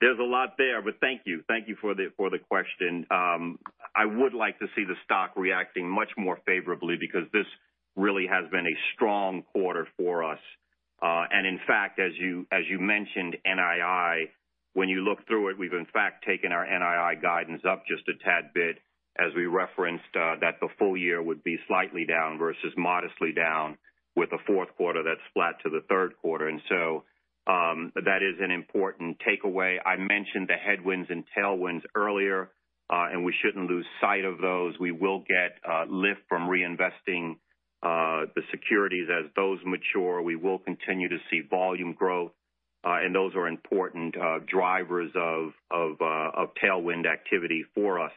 There's a lot there, but thank you. Thank you for the question. I would like to see the stock reacting much more favorably because this really has been a strong quarter for us. In fact, as you mentioned, NII, when you look through it, we've in fact taken our NII guidance up just a tad bit as we referenced that the full year would be slightly down versus modestly down, with a fourth quarter that's flat to the third quarter. So, that is an important takeaway. I mentioned the headwinds and tailwinds earlier, and we shouldn't lose sight of those. We will get lift from reinvesting the securities as those mature. We will continue to see volume growth, and those are important drivers of tailwind activity for us.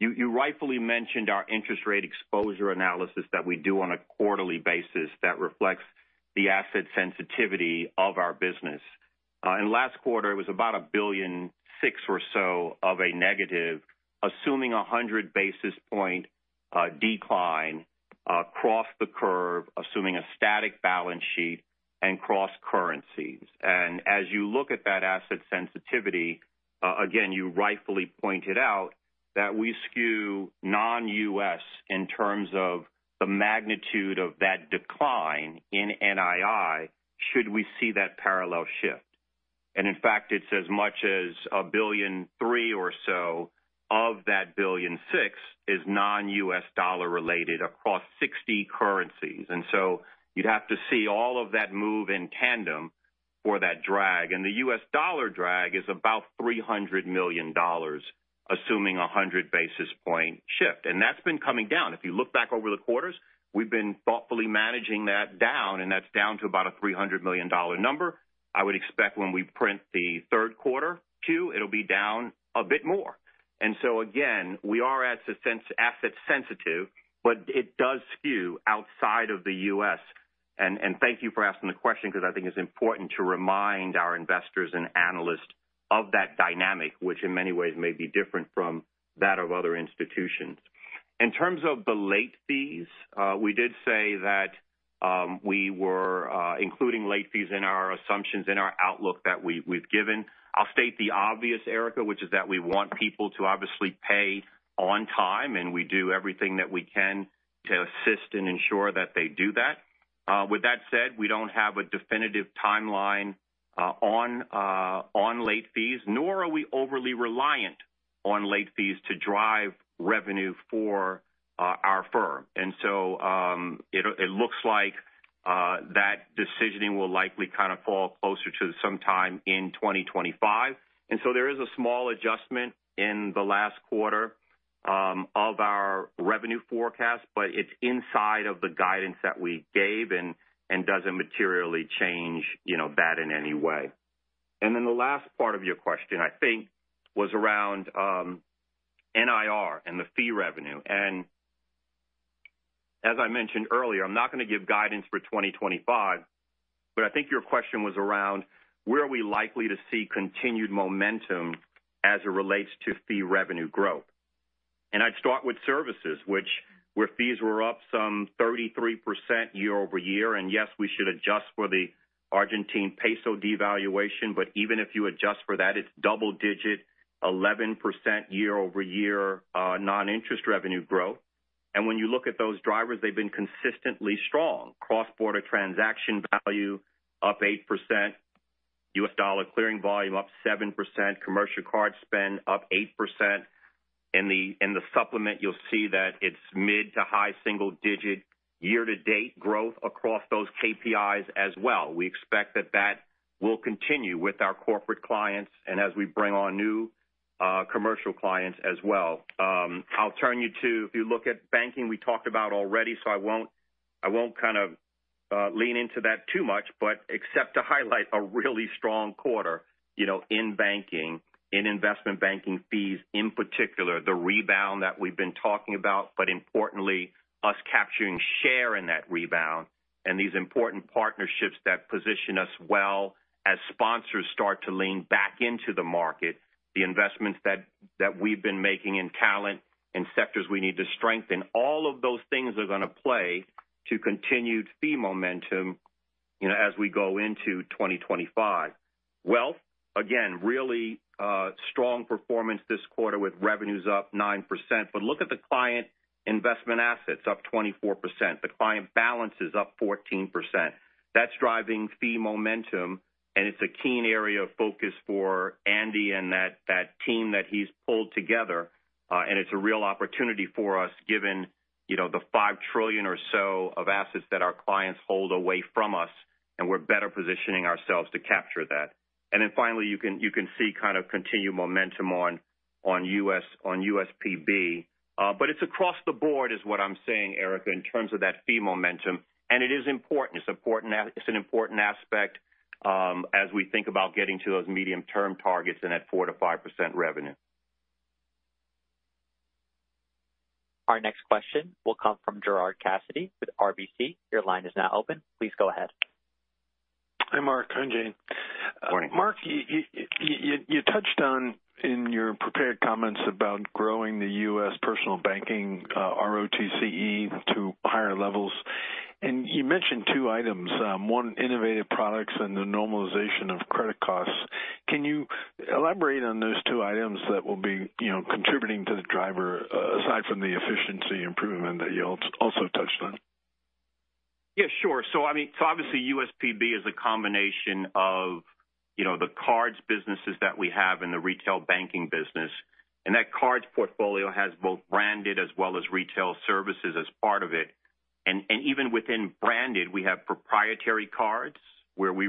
You rightfully mentioned our interest rate exposure analysis that we do on a quarterly basis that reflects the asset sensitivity of our business, and last quarter, it was about $1.6 billion or so of a negative, assuming 100 basis points decline across the curve, assuming a static balance sheet and cross currencies. And as you look at that asset sensitivity, again, you rightfully pointed out that we skew non-U.S. in terms of the magnitude of that decline in NII, should we see that parallel shift. And in fact, it's as much as $1.3 billion or so of that $1.6 billion is non-U.S. dollar related across 60 currencies. And so you'd have to see all of that move in tandem for that drag. The U.S. dollar drag is about $300 million, assuming a 100 basis point shift, and that's been coming down. If you look back over the quarters, we've been thoughtfully managing that down, and that's down to about a $300 million number. I would expect when we print the third quarter, too, it'll be down a bit more. And so again, we are asset sensitive, but it does skew outside of the U.S. And thank you for asking the question because I think it's important to remind our investors and analysts of that dynamic, which in many ways may be different from that of other institutions. In terms of the late fees, we did say that we were including late fees in our assumptions, in our outlook that we've given. I'll state the obvious, Erika, which is that we want people to obviously pay on time, and we do everything that we can to assist and ensure that they do that. With that said, we don't have a definitive timeline on late fees, nor are we overly reliant on late fees to drive revenue for our firm. And so, it looks like that decisioning will likely kind of fall closer to sometime in 2025. And so there is a small adjustment in the last quarter of our revenue forecast, but it's inside of the guidance that we gave and doesn't materially change, you know, that in any way. And then the last part of your question, I think, was around NIR and the fee revenue. And as I mentioned earlier, I'm not going to give guidance for 2025, but I think your question was around where are we likely to see continued momentum as it relates to fee revenue growth? And I'd start with Services, where fees were up some 33% year-over-year. And yes, we should adjust for the Argentine peso devaluation, but even if you adjust for that, it's double-digit, 11% year-over-year, non-interest revenue growth. And when you look at those drivers, they've been consistently strong. Cross-border transaction value up 8%, U.S. dollar clearing volume up 7%, commercial card spend up 8%. In the supplement, you'll see that it's mid- to high-single-digit year-to-date growth across those KPIs as well. We expect that will continue with our corporate clients and as we bring on new commercial clients as well. I'll turn you to if you look at banking, we talked about already, so I won't kind of lean into that too much, but except to highlight a really strong quarter, you know, in Banking, in Investment Banking fees, in particular, the rebound that we've been talking about, but importantly, us capturing share in that rebound and these important partnerships that position us well as sponsors start to lean back into the market, the investments that we've been making in talent and sectors we need to strengthen. All of those things are going to play to continued fee momentum, you know, as we go into 2025. Wealth, again, really strong performance this quarter, with revenues up 9%. But look at the client investment assets, up 24%. The client balance is up 14%. That's driving fee momentum, and it's a keen area of focus for Andy and that team that he's pulled together. And it's a real opportunity for us, given, you know, the $5 trillion or so of assets that our clients hold away from us, and we're better positioning ourselves to capture that. And then finally, you can see kind of continued momentum on USPB. But it's across the board, is what I'm saying, Erika, in terms of that fee momentum, and it is important. It's important. It's an important aspect, as we think about getting to those medium-term targets and that 4%-5% revenue. Our next question will come from Gerard Cassidy with RBC. Your line is now open. Please go ahead. Hi, Mark. Hi, Jane. Morning. Mark, you touched on, in your prepared comments about growing the U.S. Personal Banking RoTCE to higher levels, and you mentioned two items, one, innovative products and the normalization of credit costs. Can you elaborate on those two items that will be, you know, contributing to the driver, aside from the efficiency improvement that you also touched on? Yeah, sure. So I mean, so obviously, USPB is a combination of, you know, the cards businesses that we have in the Retail Banking business, and that cards portfolio has both branded as well as Retail Services as part of it. And even within branded, we have proprietary cards where we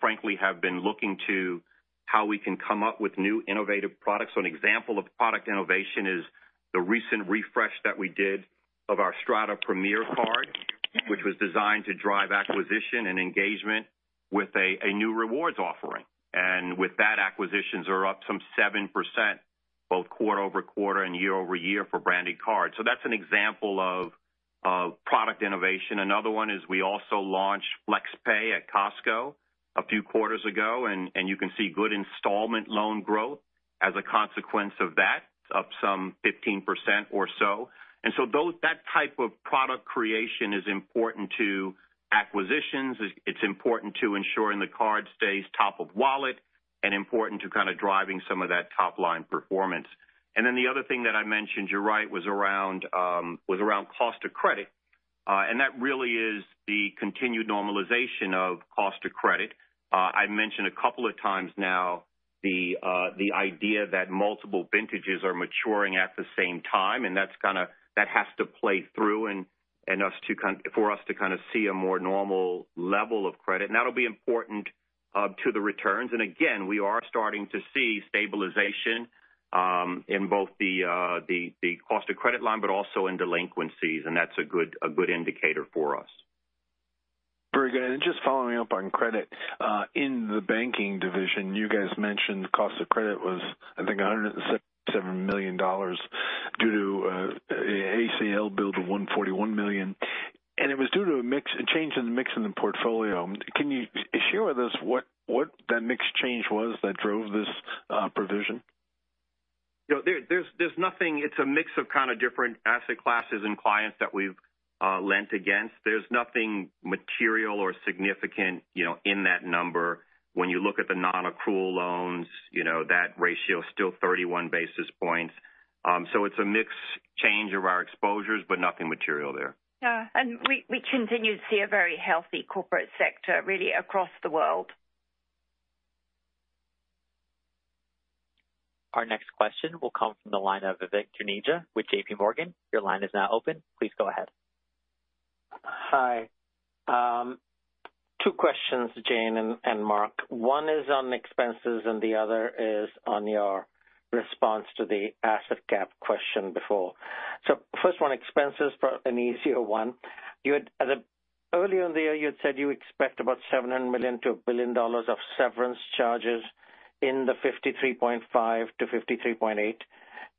frankly have been looking to how we can come up with new innovative products. So an example of product innovation is the recent refresh that we did of our Strata Premier card, which was designed to drive acquisition and engagement with a new rewards offering. And with that, acquisitions are up some 7%, both quarter-over-quarter and year-over-year for Branded Cards. So that's an example of product innovation. Another one is we also launched Flex Pay at Costco a few quarters ago, and you can see good installment loan growth as a consequence of that, up some 15% or so. And so those, that type of product creation is important to acquisitions. It's important to ensuring the card stays top of wallet, and important to kind of driving some of that top line performance. And then the other thing that I mentioned, you're right, was around cost of credit, and that really is the continued normalization of cost of credit. I mentioned a couple of times now the idea that multiple vintages are maturing at the same time, and that's kind of... That has to play through and for us to kind of see a more normal level of credit, and that'll be important to the returns. And again, we are starting to see stabilization in both the cost of credit line, but also in delinquencies, and that's a good indicator for us. Very good. And just following up on credit, in the Banking division, you guys mentioned cost of credit was, I think, $177 million due to ACL build of $141 million, and it was due to a mix, a change in the mix in the portfolio. Can you share with us what that mix change was that drove this provision? You know, there's nothing. It's a mix of kind of different asset classes and clients that we've lent against. There's nothing material or significant, you know, in that number. When you look at the nonaccrual loans, you know, that ratio is still 31 basis points. So it's a mix change of our exposures, but nothing material there. Yeah, and we continue to see a very healthy corporate sector, really, across the world. Our next question will come from the line of Vivek Juneja with JPMorgan. Your line is now open. Please go ahead. Hi. Two questions, Jane and Mark. One is on expenses, and the other is on your response to the asset cap question before. First one, expenses, for an easier one. You had earlier in the year said you expect about $700 million-$1 billion of severance charges in the $53.5 billion-$53.8 billion.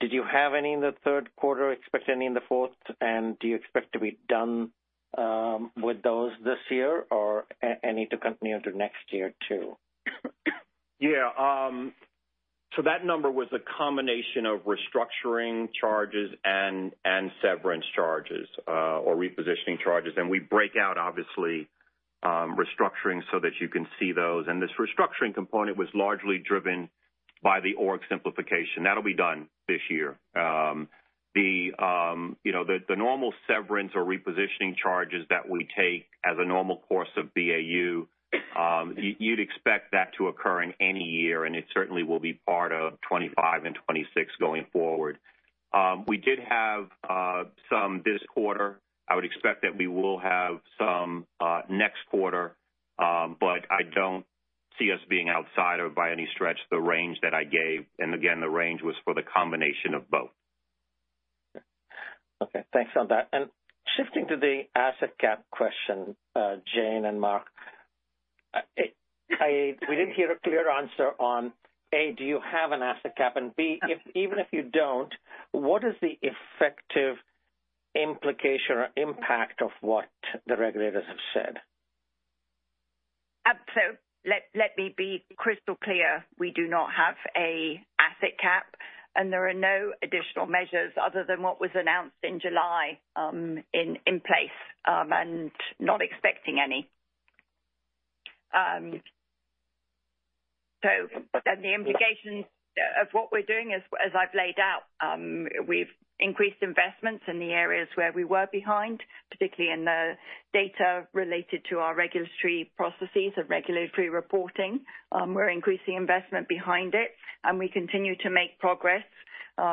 Did you have any in the third quarter, expect any in the fourth, and do you expect to be done with those this year, or any to continue into next year, too? Yeah, so that number was a combination of restructuring charges and severance charges or repositioning charges. We break out, obviously, restructuring so that you can see those. This restructuring component was largely driven by the org simplification. That'll be done this year. You know, the normal severance or repositioning charges that we take as a normal course of BAU, you'd expect that to occur in any year, and it certainly will be part of 2025 and 2026 going forward. We did have some this quarter. I would expect that we will have some next quarter, but I don't see us being outside of, by any stretch, the range that I gave, and again, the range was for the combination of both. Okay, thanks on that. Shifting to the asset cap question, Jane and Mark, we didn't hear a clear answer on, A, do you have an asset cap? And, B, even if you don't, what is the effective implication or impact of what the regulators have said?... So let me be crystal clear. We do not have an asset cap, and there are no additional measures other than what was announced in July in place, and not expecting any. So then the implications of what we're doing, as I've laid out, we've increased investments in the areas where we were behind, particularly in the data related to our regulatory processes of regulatory reporting. We're increasing investment behind it, and we continue to make progress,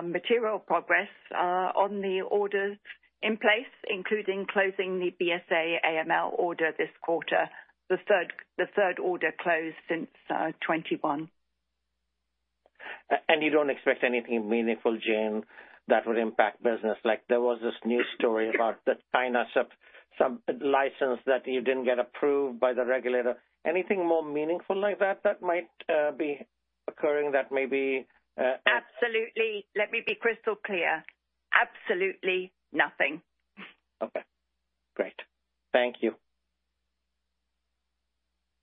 material progress, on the orders in place, including closing the BSA/AML order this quarter, the third order closed since 2021. And you don't expect anything meaningful, Jane, that would impact business? Like, there was this news story about the China sub, some license that you didn't get approved by the regulator. Anything more meaningful like that, that might be occurring that maybe Absolutely. Let me be crystal clear. Absolutely nothing. Okay, great. Thank you.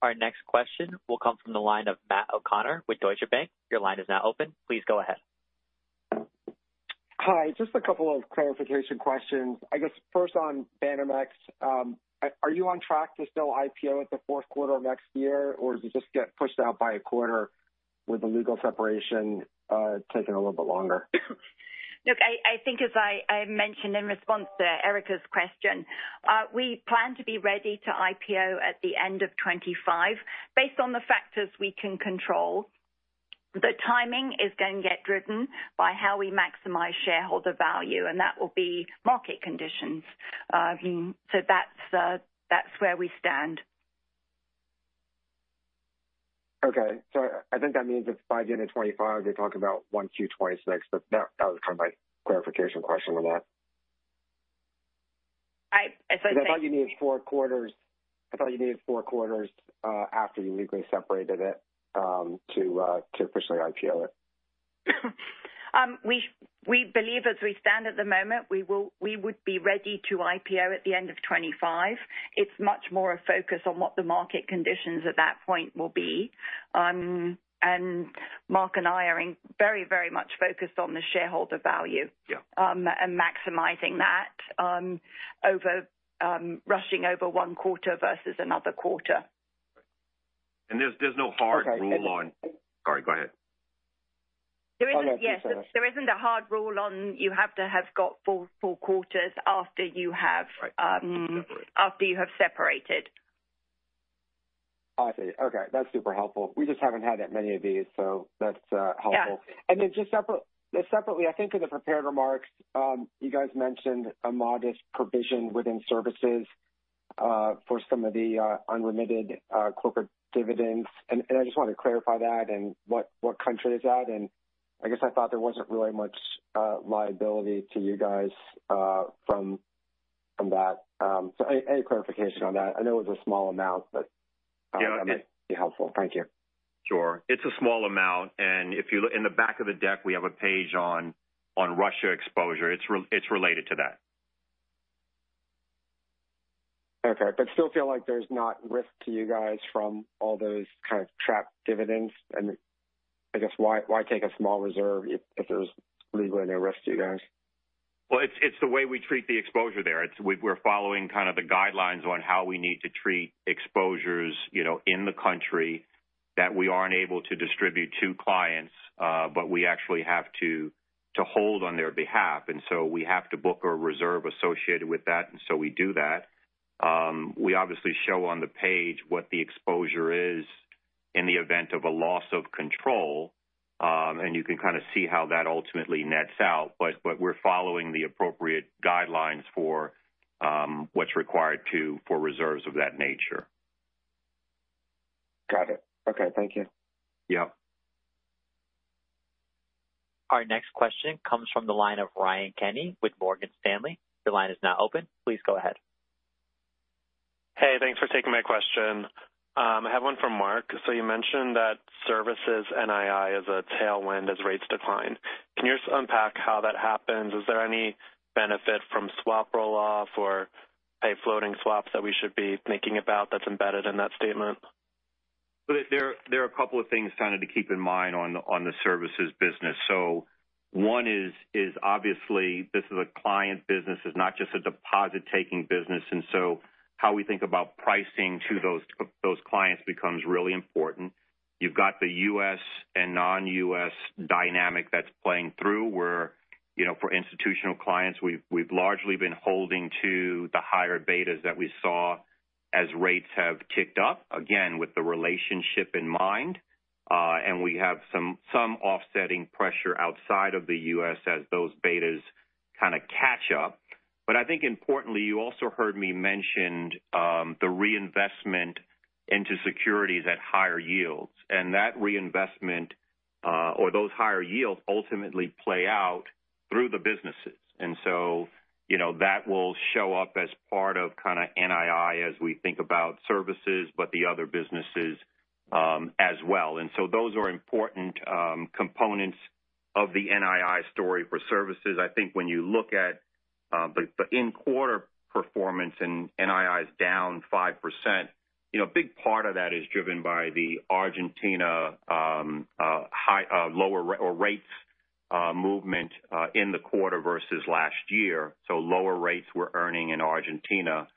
Our next question will come from the line of Matt O'Connor with Deutsche Bank. Your line is now open. Please go ahead. Hi, just a couple of clarification questions. I guess first on Banamex, are you on track to still IPO at the fourth quarter of next year, or does it just get pushed out by a quarter with the legal separation taking a little bit longer? Look, I think as I mentioned in response to Erika's question, we plan to be ready to IPO at the end of 2025. Based on the factors we can control, the timing is going to get driven by how we maximize shareholder value, and that will be market conditions. So that's where we stand. Okay. So I think that means if by the end of 2025, you're talking about 1Q 2026, but that, that was kind of my clarification question on that. I, as I said- I thought you needed four quarters after you legally separated it to officially IPO it. We believe as we stand at the moment, we would be ready to IPO at the end of 2025. It's much more a focus on what the market conditions at that point will be. And Mark and I are very, very much focused on the shareholder value- Yeah. and maximizing that, over, rushing over one quarter versus another quarter. There's no hard rule on.... Sorry, go ahead. There isn't, yes. There isn't a hard rule on you have to have got four quarters after you have. Right. After you have separated. I see. Okay, that's super helpful. We just haven't had that many of these, so that's helpful. Yeah. And then just separately, I think in the prepared remarks, you guys mentioned a modest provision within Services for some of the unremitted corporate dividends. And I just wanted to clarify that and what country is that? And I guess I thought there wasn't really much liability to you guys from that. So any clarification on that? I know it was a small amount, but it'd be helpful. Thank you. Sure. It's a small amount, and if you look in the back of the deck, we have a page on Russia exposure. It's related to that. Okay, but I still feel like there's no risk to you guys from all those kind of trapped dividends. And I guess why, why take a small reserve if, if there's legally no risk to you guys? It's the way we treat the exposure there. We're following kind of the guidelines on how we need to treat exposures, you know, in the country that we aren't able to distribute to clients, but we actually have to to hold on their behalf, and so we have to book a reserve associated with that, and so we do that. We obviously show on the page what the exposure is in the event of a loss of control, and you can kind of see how that ultimately nets out, but we're following the appropriate guidelines for what's required to for reserves of that nature. Got it. Okay, thank you. Yep. Our next question comes from the line of Ryan Kenny with Morgan Stanley. Your line is now open. Please go ahead. Hey, thanks for taking my question. I have one for Mark, so you mentioned that Services NII is a tailwind as rates decline. Can you just unpack how that happens? Is there any benefit from swap roll-off or high floating swaps that we should be thinking about that's embedded in that statement? There are a couple of things kind of to keep in mind on the Services business. So one is obviously this is a client business, it's not just a deposit-taking business, and so how we think about pricing to those clients becomes really important. You've got the U.S. and non-U.S. dynamic that's playing through, where, you know, for institutional clients, we've largely been holding to the higher betas that we saw as rates have ticked up, again, with the relationship in mind. And we have some offsetting pressure outside of the U.S. as those betas kind of catch up. But I think importantly, you also heard me mentioned the reinvestment into securities at higher yields, and that reinvestment or those higher yields ultimately play out through the businesses. And so, you know, that will show up as part of kind of NII as we think about Services, but the other businesses, as well. And so those are important components of the NII story for Services. I think when you look at the in-quarter performance and NII is down 5%, you know, a big part of that is driven by the Argentina higher or lower rates movement in the quarter versus last year. So lower rates we're earning in Argentina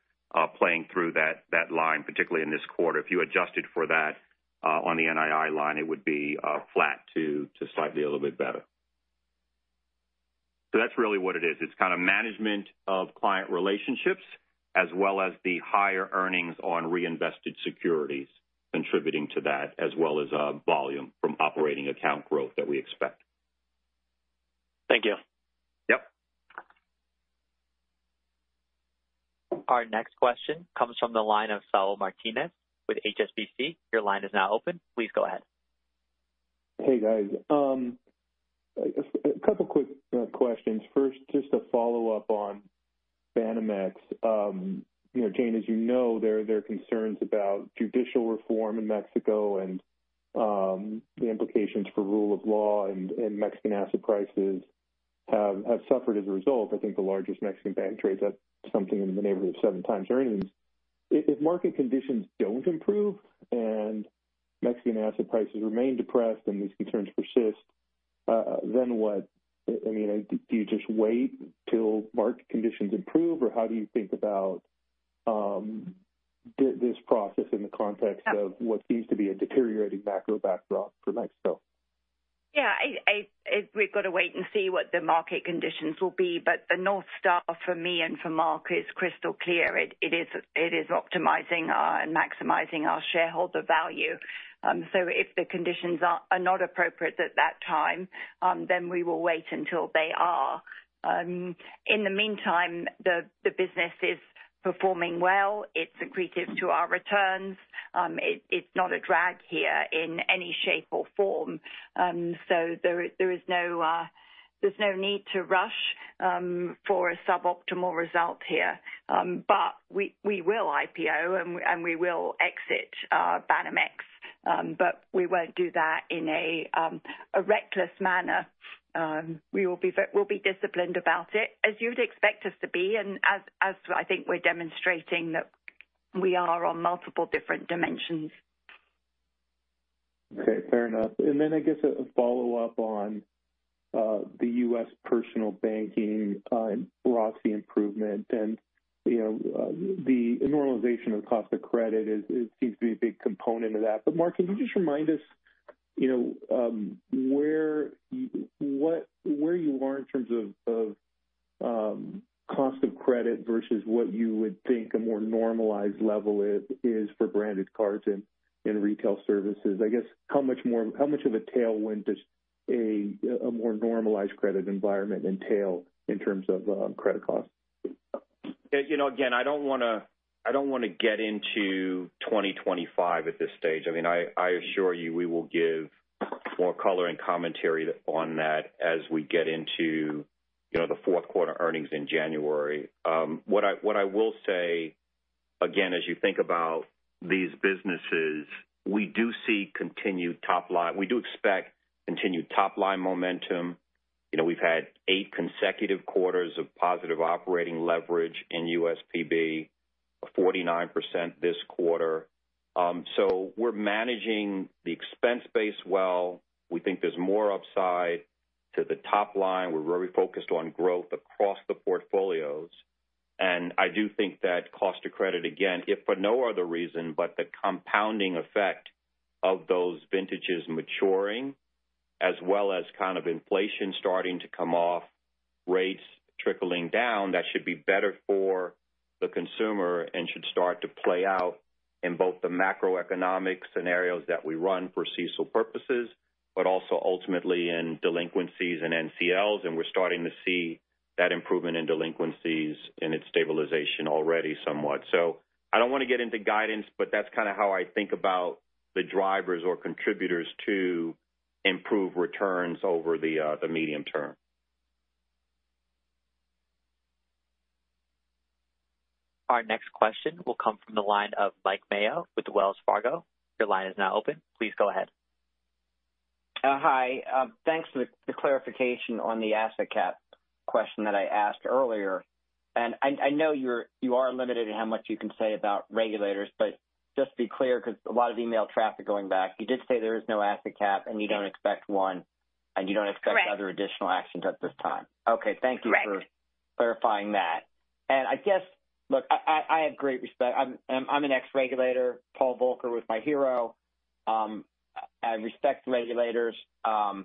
playing through that line, particularly in this quarter. If you adjusted for that on the NII line, it would be flat to slightly a little bit better. So that's really what it is. It's kind of management of client relationships, as well as the higher earnings on reinvested securities contributing to that, as well as, volume from operating account growth that we expect. Thank you. Yep. Our next question comes from the line of Saul Martinez with HSBC. Your line is now open. Please go ahead. Hey, guys. A couple quick questions. First, just to follow up on Banamex. You know, Jane, as you know, there are concerns about judicial reform in Mexico and the implications for rule of law and Mexican asset prices have suffered as a result. I think the largest Mexican bank trades at something in the neighborhood of seven times earnings. If market conditions don't improve and Mexican asset prices remain depressed and these concerns persist, then what? I mean, do you just wait till market conditions improve? Or how do you think about this process in the context of what seems to be a deteriorating macro backdrop for Mexico? Yeah, we've got to wait and see what the market conditions will be. But the North Star for me and for Mark is crystal clear. It is optimizing our and maximizing our shareholder value. So if the conditions are not appropriate at that time, then we will wait until they are. In the meantime, the business is performing well. It's accretive to our returns. It's not a drag here in any shape or form. So there is no need to rush for a suboptimal result here. But we will IPO and we will exit Banamex, but we won't do that in a reckless manner. We'll be disciplined about it, as you'd expect us to be, and as I think we're demonstrating that we are on multiple different dimensions. Okay, fair enough. And then I guess a follow-up on the U.S. Personal Banking, RoTCE improvement. And, you know, the normalization of cost of credit is. It seems to be a big component of that. But Mark, can you just remind us, you know, where you are in terms of cost of credit versus what you would think a more normalized level is for Branded Cards in Retail Services? I guess, how much of a tailwind does a more normalized credit environment entail in terms of credit costs? You know, again, I don't want to get into 2025 at this stage. I mean, I assure you, we will give more color and commentary on that as we get into, you know, the fourth quarter earnings in January. What I will say, again, as you think about these businesses, we do see continued top line. We do expect continued top-line momentum. You know, we've had eight consecutive quarters of positive operating leverage in USPB, 49% this quarter. So we're managing the expense base well. We think there's more upside to the top line. We're very focused on growth across the portfolios. And I do think that cost of credit, again, if for no other reason, but the compounding effect of those vintages maturing, as well as kind of inflation starting to come off, rates trickling down, that should be better for the consumer and should start to play out in both the macroeconomic scenarios that we run for CECL purposes, but also ultimately in delinquencies and NCLs, and we're starting to see that improvement in delinquencies and its stabilization already somewhat. So I don't want to get into guidance, but that's kind of how I think about the drivers or contributors to improve returns over the, the medium term. Our next question will come from the line of Mike Mayo with Wells Fargo. Your line is now open. Please go ahead. Hi. Thanks for the clarification on the asset cap question that I asked earlier. And I know you are limited in how much you can say about regulators, but just to be clear, because a lot of email traffic going back, you did say there is no asset cap, and you don't expect one, and you don't expect- Correct. Other additional actions at this time. Okay, thank you. Correct. For clarifying that. I guess. Look, I have great respect. I'm an ex-regulator. Paul Volcker was my hero. I respect the regulators, and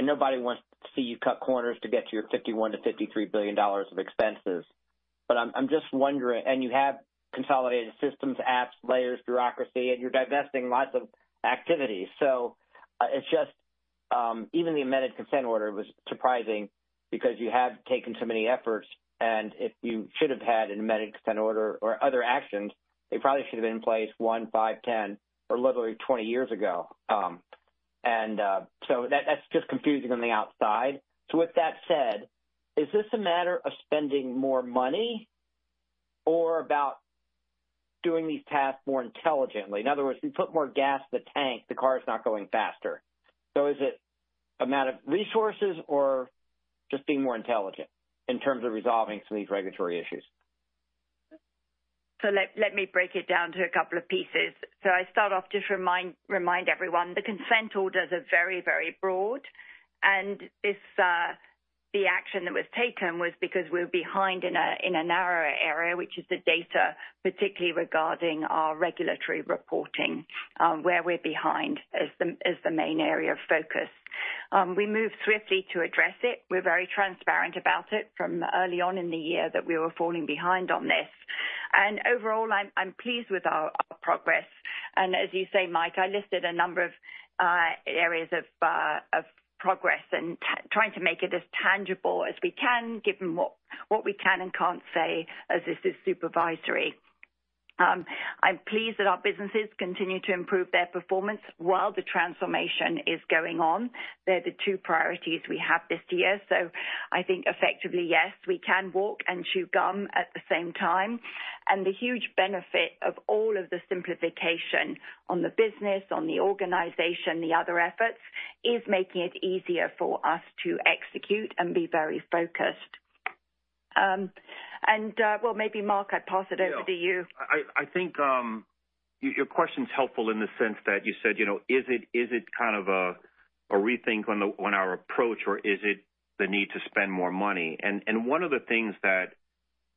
nobody wants to see you cut corners to get to your $51 billion-$53 billion of expenses. But I'm just wondering. You have consolidated systems, apps, layers, bureaucracy, and you're divesting lots of activities. So it's just even the amended consent order was surprising because you have taken so many efforts, and if you should have had an amended consent order or other actions, they probably should have been in place one, five, 10, or literally 20 years ago. So that's just confusing on the outside. So with that said, is this a matter of spending more money? Or about doing these tasks more intelligently? In other words, if you put more gas in the tank, the car is not going faster. So is it amount of resources or just being more intelligent in terms of resolving some of these regulatory issues? Let me break it down to a couple of pieces. I start off, just remind everyone, the consent orders are very, very broad, and this, the action that was taken was because we're behind in a narrower area, which is the data, particularly regarding our regulatory reporting, where we're behind is the main area of focus. We moved swiftly to address it. We're very transparent about it from early on in the year that we were falling behind on this. Overall, I'm pleased with our progress. As you say, Mike, I listed a number of areas of progress and trying to make it as tangible as we can, given what we can and can't say as this is supervisory. I'm pleased that our businesses continue to improve their performance while the transformation is going on. They're the two priorities we have this year. So I think effectively, yes, we can walk and chew gum at the same time, and the huge benefit of all of the simplification on the business, on the organization, the other efforts, is making it easier for us to execute and be very focused. Well, maybe, Mark, I pass it over to you. Yeah. I think your question is helpful in the sense that you said, you know, is it kind of a rethink on our approach, or is it the need to spend more money? One of the things that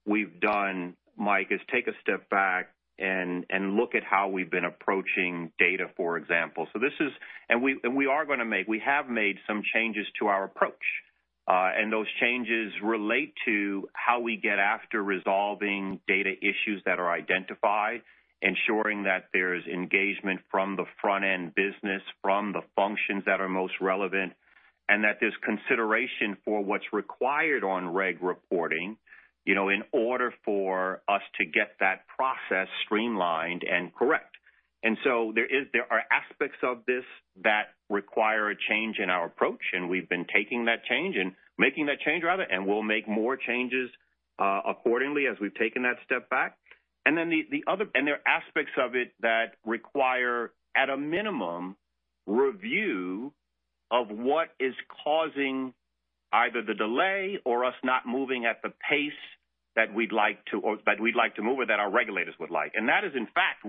we've done, Mike, is take a step back and look at how we've been approaching data, for example. We have made some changes to our approach, and those changes relate to how we get after resolving data issues that are identified, ensuring that there's engagement from the front-end business, from the functions that are most relevant, and that there's consideration for what's required on reg reporting, you know, in order for us to get that process streamlined and correct. There are aspects of this that require a change in our approach, and we've been taking that change and making that change rather, and we'll make more changes accordingly as we've taken that step back. There are aspects of it that require, at a minimum, review of what is causing either the delay or us not moving at the pace that we'd like to or that we'd like to move or that our regulators would like. That is, in fact,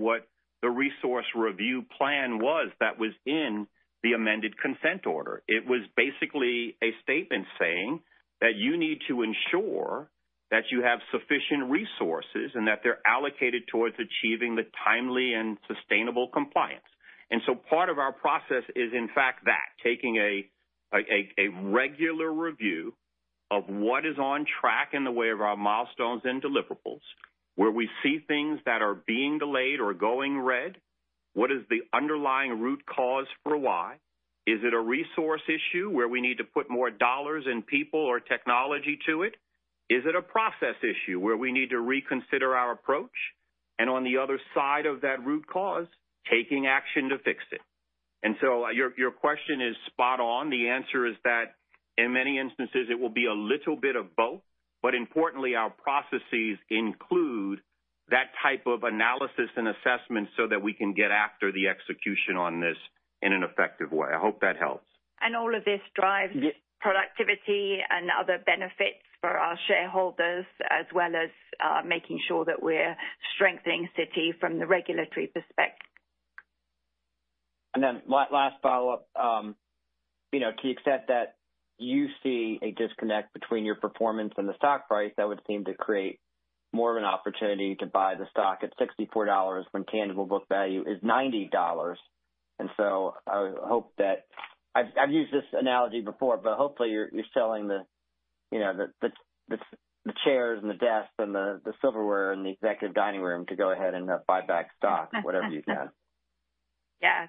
what the resource review plan was that was in the amended consent order. It was basically a statement saying that you need to ensure that you have sufficient resources and that they're allocated towards achieving the timely and sustainable compliance. And so part of our process is, in fact, that, taking a regular review of what is on track in the way of our milestones and deliverables, where we see things that are being delayed or going red, what is the underlying root cause for why? Is it a resource issue, where we need to put more dollars and people or technology to it? Is it a process issue, where we need to reconsider our approach? And on the other side of that root cause, taking action to fix it. And so your question is spot on. The answer is that in many instances, it will be a little bit of both, but importantly, our processes include that type of analysis and assessment so that we can get after the execution on this in an effective way. I hope that helps. All of this drives productivity and other benefits for our shareholders, as well as making sure that we're strengthening Citi from the regulatory perspective. Then my last follow-up, you know, to the extent that you see a disconnect between your performance and the stock price, that would seem to create more of an opportunity to buy the stock at $64 when tangible book value is $90. So I would hope that... I've used this analogy before, but hopefully, you're selling the, you know, the chairs and the desks and the silverware in the executive dining room to go ahead and buy back stock, whatever you can. Yeah,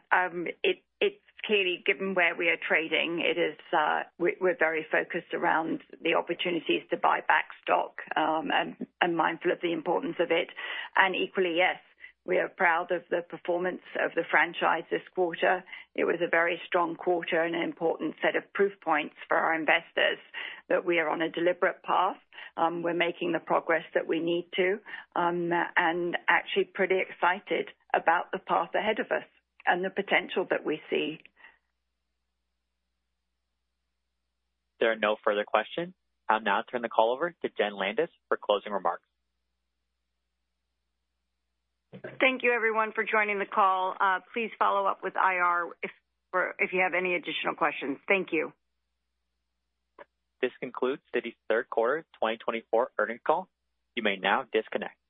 it's clearly, given where we are trading, we're very focused around the opportunities to buy back stock and mindful of the importance of it. And equally, yes, we are proud of the performance of the franchise this quarter. It was a very strong quarter and an important set of proof points for our investors that we are on a deliberate path. We're making the progress that we need to and actually pretty excited about the path ahead of us and the potential that we see. There are no further questions. I'll now turn the call over to Jenn Landis for closing remarks. Thank you, everyone, for joining the call. Please follow up with IR if you have any additional questions. Thank you. This concludes Citi's third quarter 2024 earnings call. You may now disconnect.